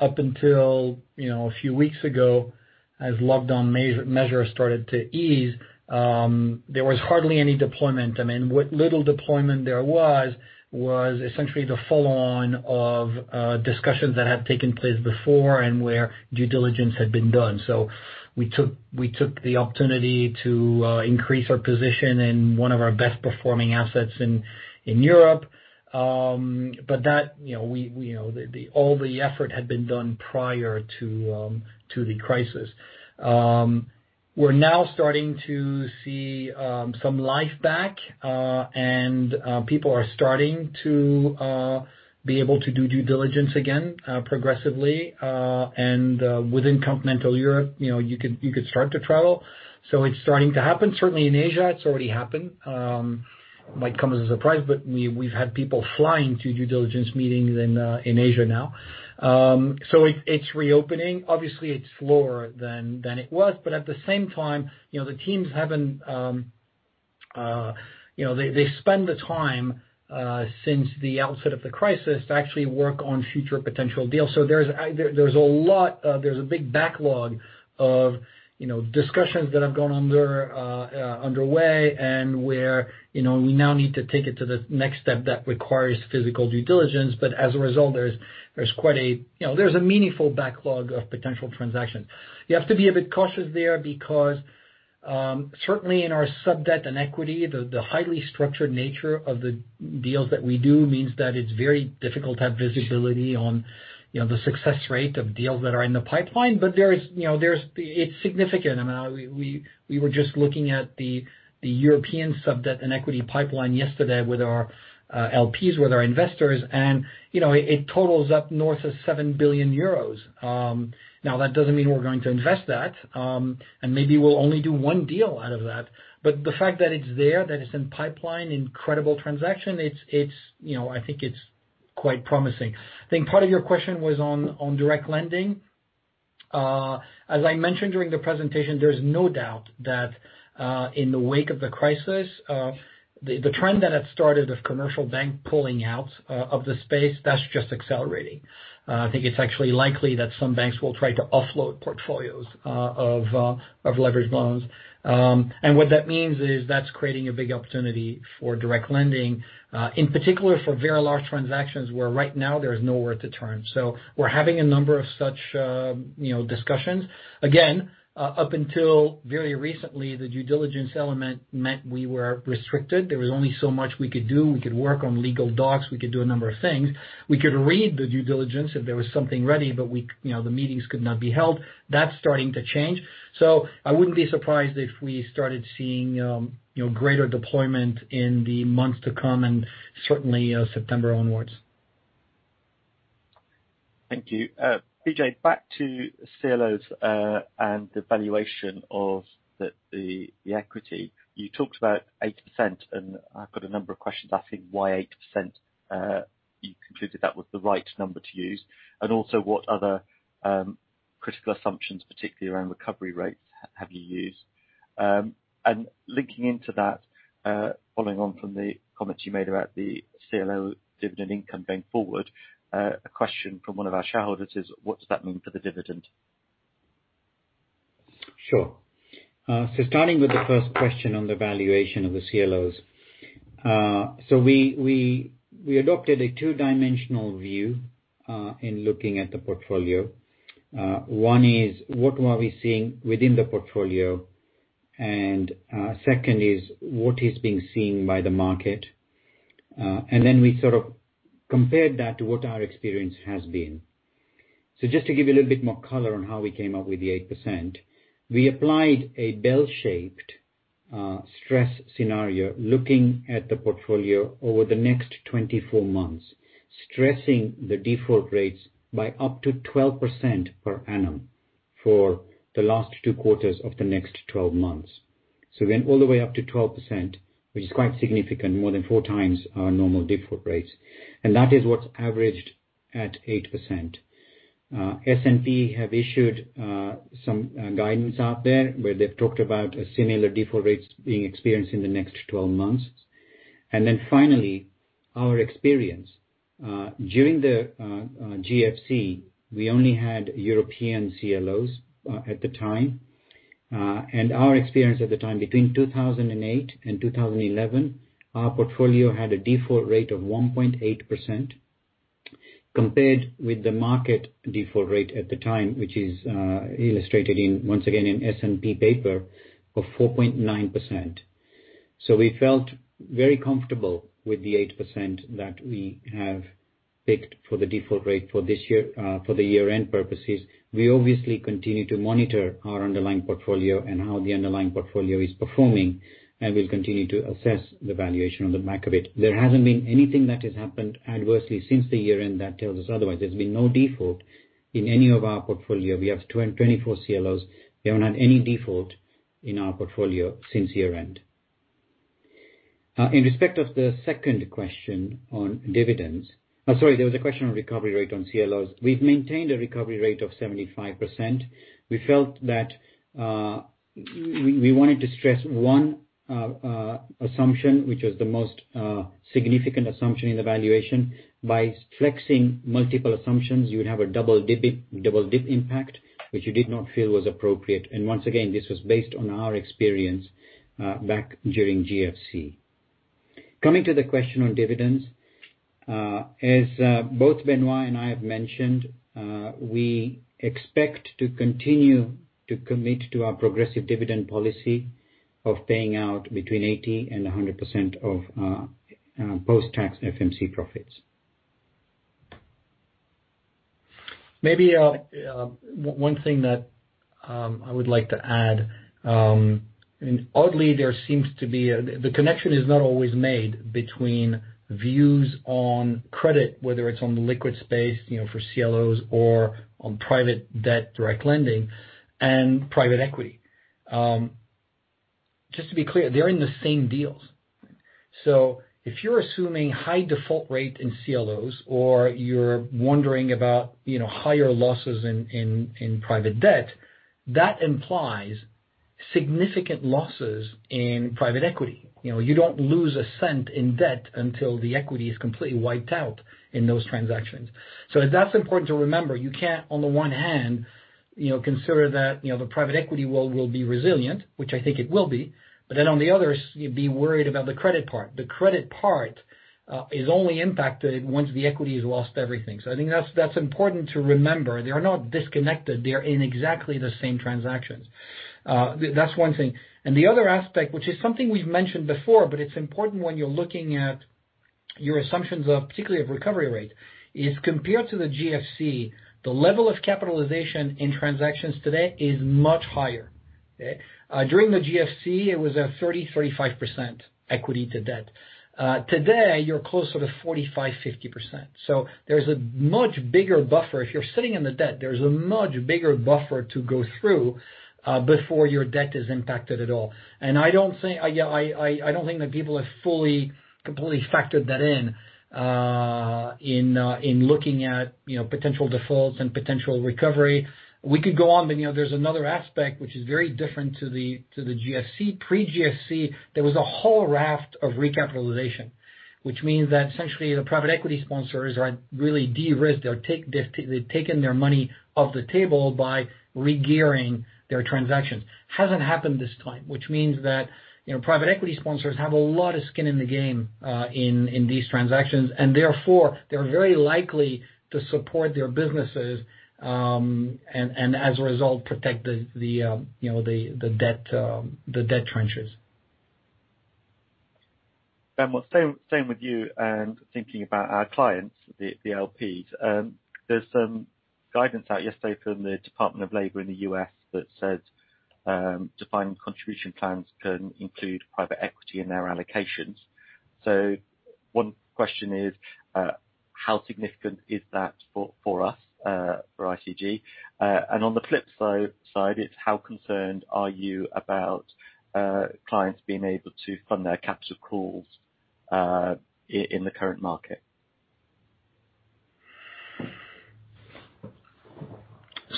up until a few weeks ago, as lockdown measures started to ease, there was hardly any deployment. What little deployment there was essentially the follow-on of discussions that had taken place before and where due diligence had been done. We took the opportunity to increase our position in one of our best-performing assets in Europe. All the effort had been done prior to the crisis. We're now starting to see some life back, and people are starting to be able to do due diligence again progressively. Within continental Europe, you could start to travel. It's starting to happen. Certainly in Asia, it's already happened. Might come as a surprise, but we've had people flying to due diligence meetings in Asia now. It's reopening. Obviously, it's lower than it was, at the same time, the teams have spent the time since the outset of the crisis to actually work on future potential deals. There's a big backlog of discussions that have gone underway and where we now need to take it to the next step that requires physical due diligence. As a result, there's a meaningful backlog of potential transactions. You have to be a bit cautious there because, certainly in our sub-debt and equity, the highly structured nature of the deals that we do means that it's very difficult to have visibility on the success rate of deals that are in the pipeline. It's significant. We were just looking at the European sub-debt and equity pipeline yesterday with our LPs, with our investors, it totals up north of 7 billion euros. That doesn't mean we're going to invest that, and maybe we'll only do one deal out of that. The fact that it's there, that it's in the pipeline, an incredible transaction, I think it's quite promising. I think part of your question was on direct lending. As I mentioned during the presentation, there's no doubt that in the wake of the crisis, the trend that had started of commercial banks pulling out of the space is just accelerating. I think it's actually likely that some banks will try to offload portfolios of leveraged loans. What that means is that's creating a big opportunity for direct lending, in particular for very large transactions, where right now there is nowhere to turn. We're having a number of such discussions. Again, up until very recently, the due diligence element meant we were restricted. There was only so much we could do. We could work on legal docs, we could do a number of things. We could read the due diligence if there was something ready, but the meetings could not be held. That's starting to change. I wouldn't be surprised if we started seeing greater deployment in the months to come, and certainly September onwards. Thank you. Vijay, back to CLOs and the valuation of the equity. You talked about 80%, and I've got a number of questions asking why 80%, you concluded that was the right number to use, and also, what other critical assumptions, particularly around recovery rates, have you used? Linking into that, following on from the comments you made about the CLO dividend income going forward, a question from one of our shareholders is, what does that mean for the dividend? Sure. Starting with the first question on the valuation of the CLOs. One is, what were we seeing within the portfolio? Second is, what is being seen by the market? We sort of compared that to what our experience has been. Just to give you a little bit more color on how we came up with the 8%, we applied a bell-shaped stress scenario looking at the portfolio over the next 24 months, stressing the default rates by up to 12% per annum for the last two quarters of the next 12 months. Went all the way up to 12%, which is quite significant, more than 4x our normal default rates, and that is what's averaged at 8%. S&P has issued some guidance out there where they've talked about similar default rates being experienced in the next 12 months. Finally, our experience. During the GFC, we only had European CLOs at the time. Our experience at the time, between 2008 and 2011, our portfolio had a default rate of 1.8%, compared with the market default rate at the time, which is illustrated once again in the S&P paper of 4.9%. We felt very comfortable with the 8% that we have picked for the default rate for the year-end purposes. We obviously continue to monitor our underlying portfolio and how the underlying portfolio is performing, and we'll continue to assess the valuation on the back of it. There hasn't been anything that has happened adversely since the year-end that tells us otherwise. There's been no default in any of our portfolios. We have 24 CLOs. We haven't had any default in our portfolio since year-end. In respect to the second question on dividends, Sorry, there was a question on recovery rate on CLOs. We've maintained a recovery rate of 75%. We felt that we wanted to stress one assumption, which was the most significant assumption in the valuation. By flexing multiple assumptions, you would have a double-dip impact, which we did not feel was appropriate. Once again, this was based on our experience back during GFC. Coming to the question on dividends, as both Benoît and I have mentioned, we expect to continue to commit to our progressive dividend policy of paying out between 80% and 100% of post-tax FMC profits. Maybe one thing that I would like to add, oddly, is that the connection is not always made between views on credit, whether it's on the liquid space for CLOs or on private debt direct lending and private equity. Just to be clear, they're in the same deals. If you're assuming a high default rate in CLOs or you're wondering about higher losses in private debt, that implies significant losses in private equity. You don't lose a cent in debt until the equity is completely wiped out in those transactions. That's important to remember. You can't, on the one hand, consider that the private equity world will be resilient, which I think it will be, but then on the other, you'd be worried about the credit part. The credit part is only impacted once the equity has lost everything. I think that's important to remember. They are not disconnected. They are in exactly the same transactions. That's one thing. The other aspect, which is something we've mentioned before, but it's important when you're looking at your assumptions, particularly of recovery rate, is that compared to the GFC, the level of capitalization in transactions today is much higher, okay? During the GFC, it was at 30%–35% equity to debt. Today, you're closer to 45% or 50%. There's a much bigger buffer. If you're sitting on the debt, there's a much bigger buffer to go through before your debt is impacted at all. I don't think that people have fully, completely factored that in when looking at potential defaults and potential recovery. We could go on, but there's another aspect that is very different from the GFC. Pre-GFC, there was a whole raft of recapitalization, which means that essentially the private equity sponsors had really de-risked. They've taken their money off the table by re-gearing their transactions. Hasn't happened this time, which means that private equity sponsors have a lot of skin in the game in these transactions, and therefore, they're very likely to support their businesses, and as a result, protect the debt trenches. Benoît, staying with you and thinking about our clients, the LPs. There was some guidance out yesterday from the Department of Labor in the U.S. that says defined contribution plans can include private equity in their allocations. One question is, how significant is that for us, for ICG? On the flip side, how concerned are you about clients being able to fund their capital calls in the current market?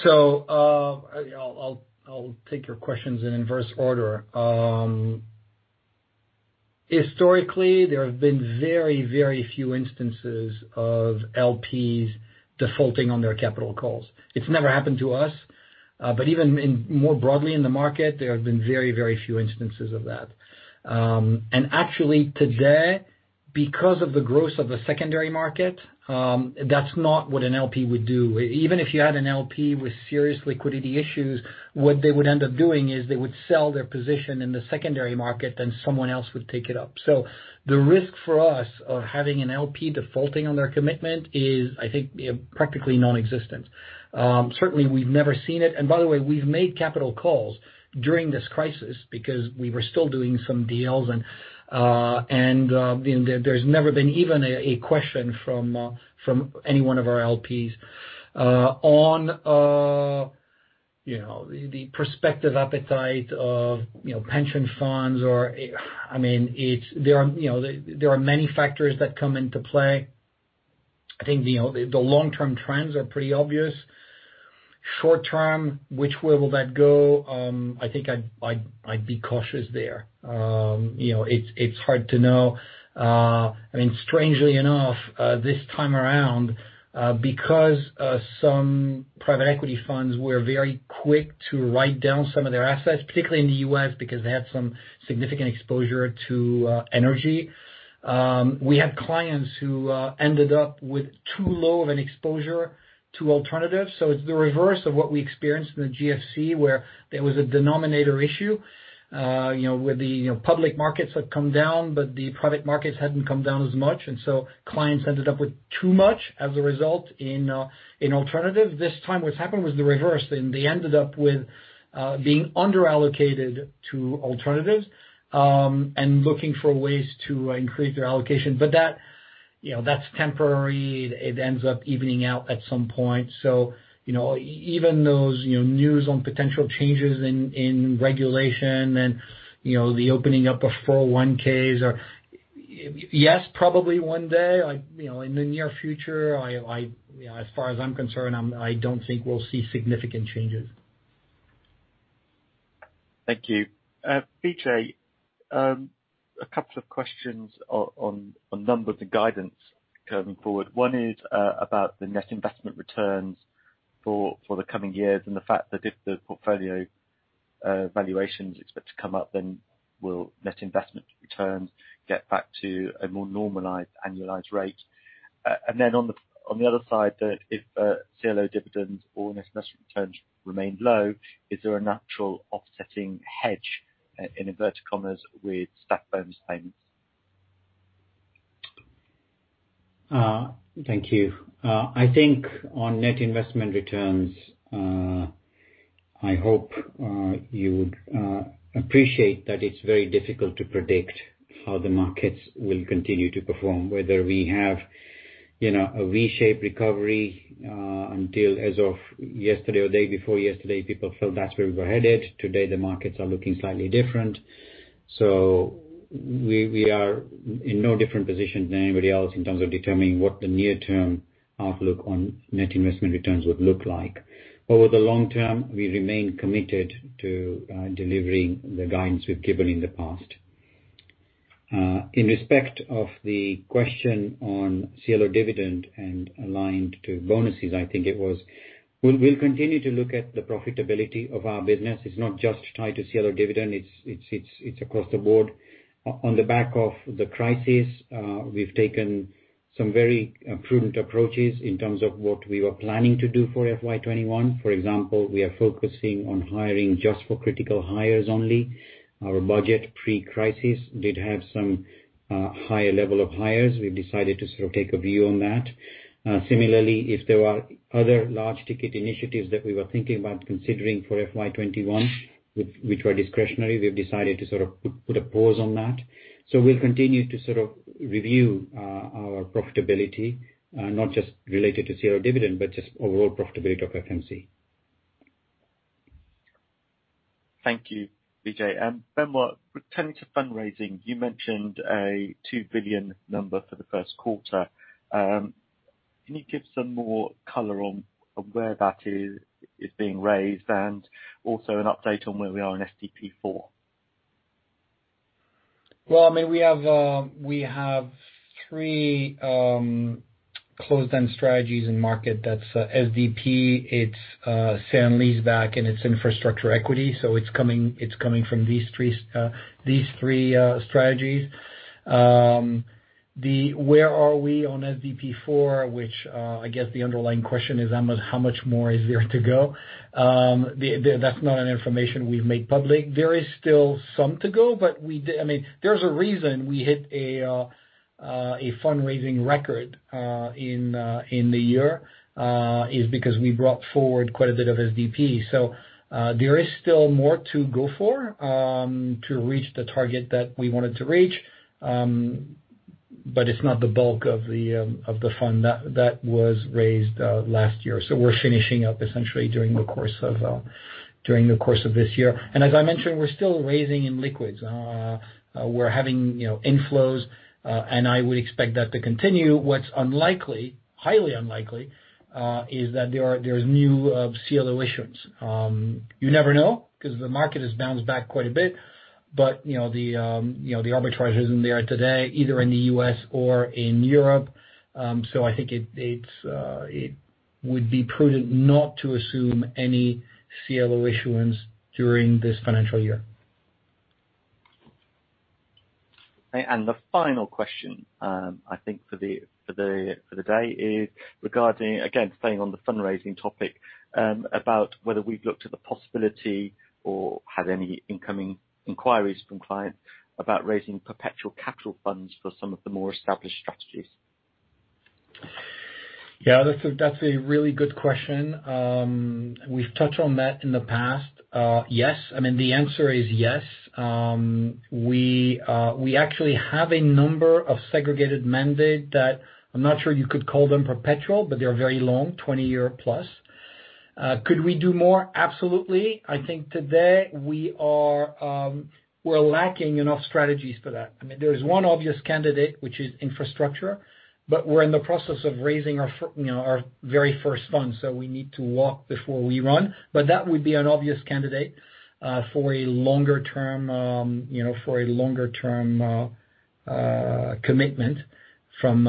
I'll take your questions in inverse order. Historically, there have been very, very few instances of LPs defaulting on their capital calls. It's never happened to us. Even more broadly in the market, there have been very, very few instances of that. Actually today, because of the growth of the secondary market, that's not what an LP would do. Even if you had an LP with serious liquidity issues, what they would end up doing is they would sell their position in the secondary market, someone else would take it up. The risk for us of having an LP defaulting on their commitment is, I think, practically nonexistent. Certainly we've never seen it. By the way, we've made capital calls during this crisis because we were still doing some deals and there's never been even a question from any one of our LPs. On the prospective appetite of pension funds. There are many factors that come into play. I think the long-term trends are pretty obvious. Short-term, which way will that go? I think I'd be cautious there. It's hard to know. Strangely enough, this time around, because some private equity funds were very quick to write down some of their assets, particularly in the U.S., because they had some significant exposure to energy. We had clients who ended up with too low of an exposure to alternatives. It's the reverse of what we experienced in the GFC, where there was a denominator issue, where the public markets had come down, but the private markets hadn't come down as much. Clients ended up with too much as a result of the alternative. This time, what's happened was the reverse. They ended up being under-allocated to alternatives, looking for ways to increase their allocation. That's temporary. It ends up evening out at some point. Even with that news on potential changes in regulation and the opening up of 401(k). Yes, probably one day. In the near future, as far as I'm concerned, I don't think we'll see significant changes. Thank you. Vijay, a couple of questions on a number of the guidelines going forward. One is about the net investment returns for the coming years, and the fact is that if the portfolio valuations are expected to come up, then will net investment returns get back to a more normalized annualized rate? Then on the other side, if CLO dividends or net investment returns remain low, is there a natural offsetting hedge, in inverted commas, with staff bonus payments? Thank you. I think on net investment returns, I hope you would appreciate that it's very difficult to predict how the markets will continue to perform, whether we have a V-shaped recovery or not. Until yesterday or the day before yesterday, people felt that's where we were headed. Today, the markets are looking slightly different. We are in no different position than anybody else in terms of determining what the near-term outlook on net investment returns would look like. Over the long term, we remain committed to delivering the guidance we've given in the past. In respect of the question on CLO dividends and alignment to bonuses, I think it was, we'll continue to look at the profitability of our business. It's not just tied to the CLO dividend, it's across the board. On the back of the crisis, we've taken some very prudent approaches in terms of what we were planning to do for FY 2021. For example, we are focusing on hiring just for critical hires only. Our budget pre-crisis did have some higher-level hires. We've decided to sort of take a view on that. Similarly, if there are other large-ticket initiatives that we were thinking about considering for FY 2021, which were discretionary, we've decided to sort of put a pause on that. We'll continue to sort of review our profitability, not just related to CLO dividends but just the overall profitability of FMC. Thank you, Vijay. Benoît, returning to fundraising, you mentioned a 2 billion number for the first quarter. Can you give some more color on where that is being raised and also an update on where we are in SDP4? Well, we have three closed-end strategies in the market. That's SDP, it's sale and leaseback, and it's infrastructure equity. It's coming from these three strategies. Where are we on SDP4? Which, I guess, the underlying question is, how much more is there to go? That's not information we've made public. There is still some to go, but there's a reason we hit a fundraising record in the year: because we brought forward quite a bit of SDP. There is still more to go for to reach the target that we wanted to reach. It's not the bulk of the fund that was raised last year. We're finishing up essentially during the course of this year. As I mentioned, we're still raising in liquids. We're having inflows, and I would expect that to continue. What's unlikely, highly unlikely, is that there's new CLO issuance. You never know, because the market has bounced back quite a bit. The arbitrage isn't there today, either in the U.S. or in Europe. I think it would be prudent not to assume any CLO issuance during this financial year. The final question I think for the day is regarding, again, staying on the fundraising topic: about whether we've looked at the possibility or had any incoming inquiries from clients about raising perpetual capital funds for some of the more established strategies. Yeah, that's a really good question. We've touched on that in the past. Yes, the answer is yes. We actually have a number of segregated mandates that I'm not sure you could call perpetual, but they're very long, +20-year. Could we do more? Absolutely. I think today, we're lacking enough strategies for that. There is one obvious candidate, which is infrastructure. We're in the process of raising our very first fund. We need to walk before we run. That would be an obvious candidate for a longer-term commitment from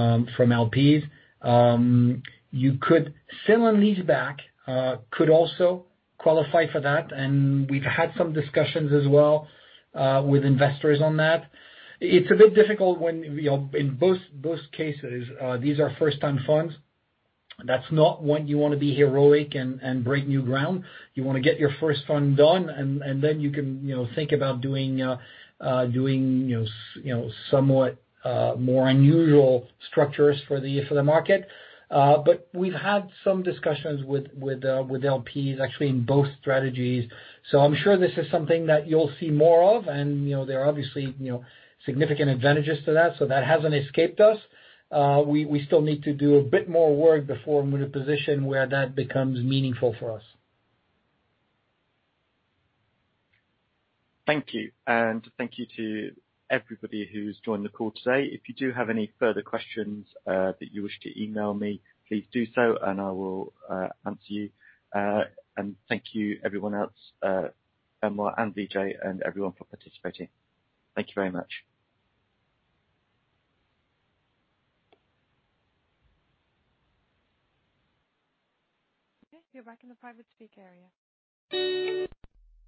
LPs. Sale and leaseback could also qualify for that, and we've had some discussions as well with investors on that. It's a bit difficult when, in both cases, these are first-time funds. That's not when you want to be heroic and break new ground. You want to get your first fund done, and then you can think about doing somewhat more unusual structures for the market. We've had some discussions with LPs, actually, in both strategies. I'm sure this is something that you'll see more of, there are obviously significant advantages to that. That hasn't escaped us. We still need to do a bit more work before we're in a position where that becomes meaningful for us. Thank you. Thank you to everybody who's joined the call today. If you do have any further questions that you wish to email me, please do so, and I will answer you. Thank you, everyone else, Benoît and Vijay, and everyone for participating. Thank you very much. Okay, you're back in the private speech area.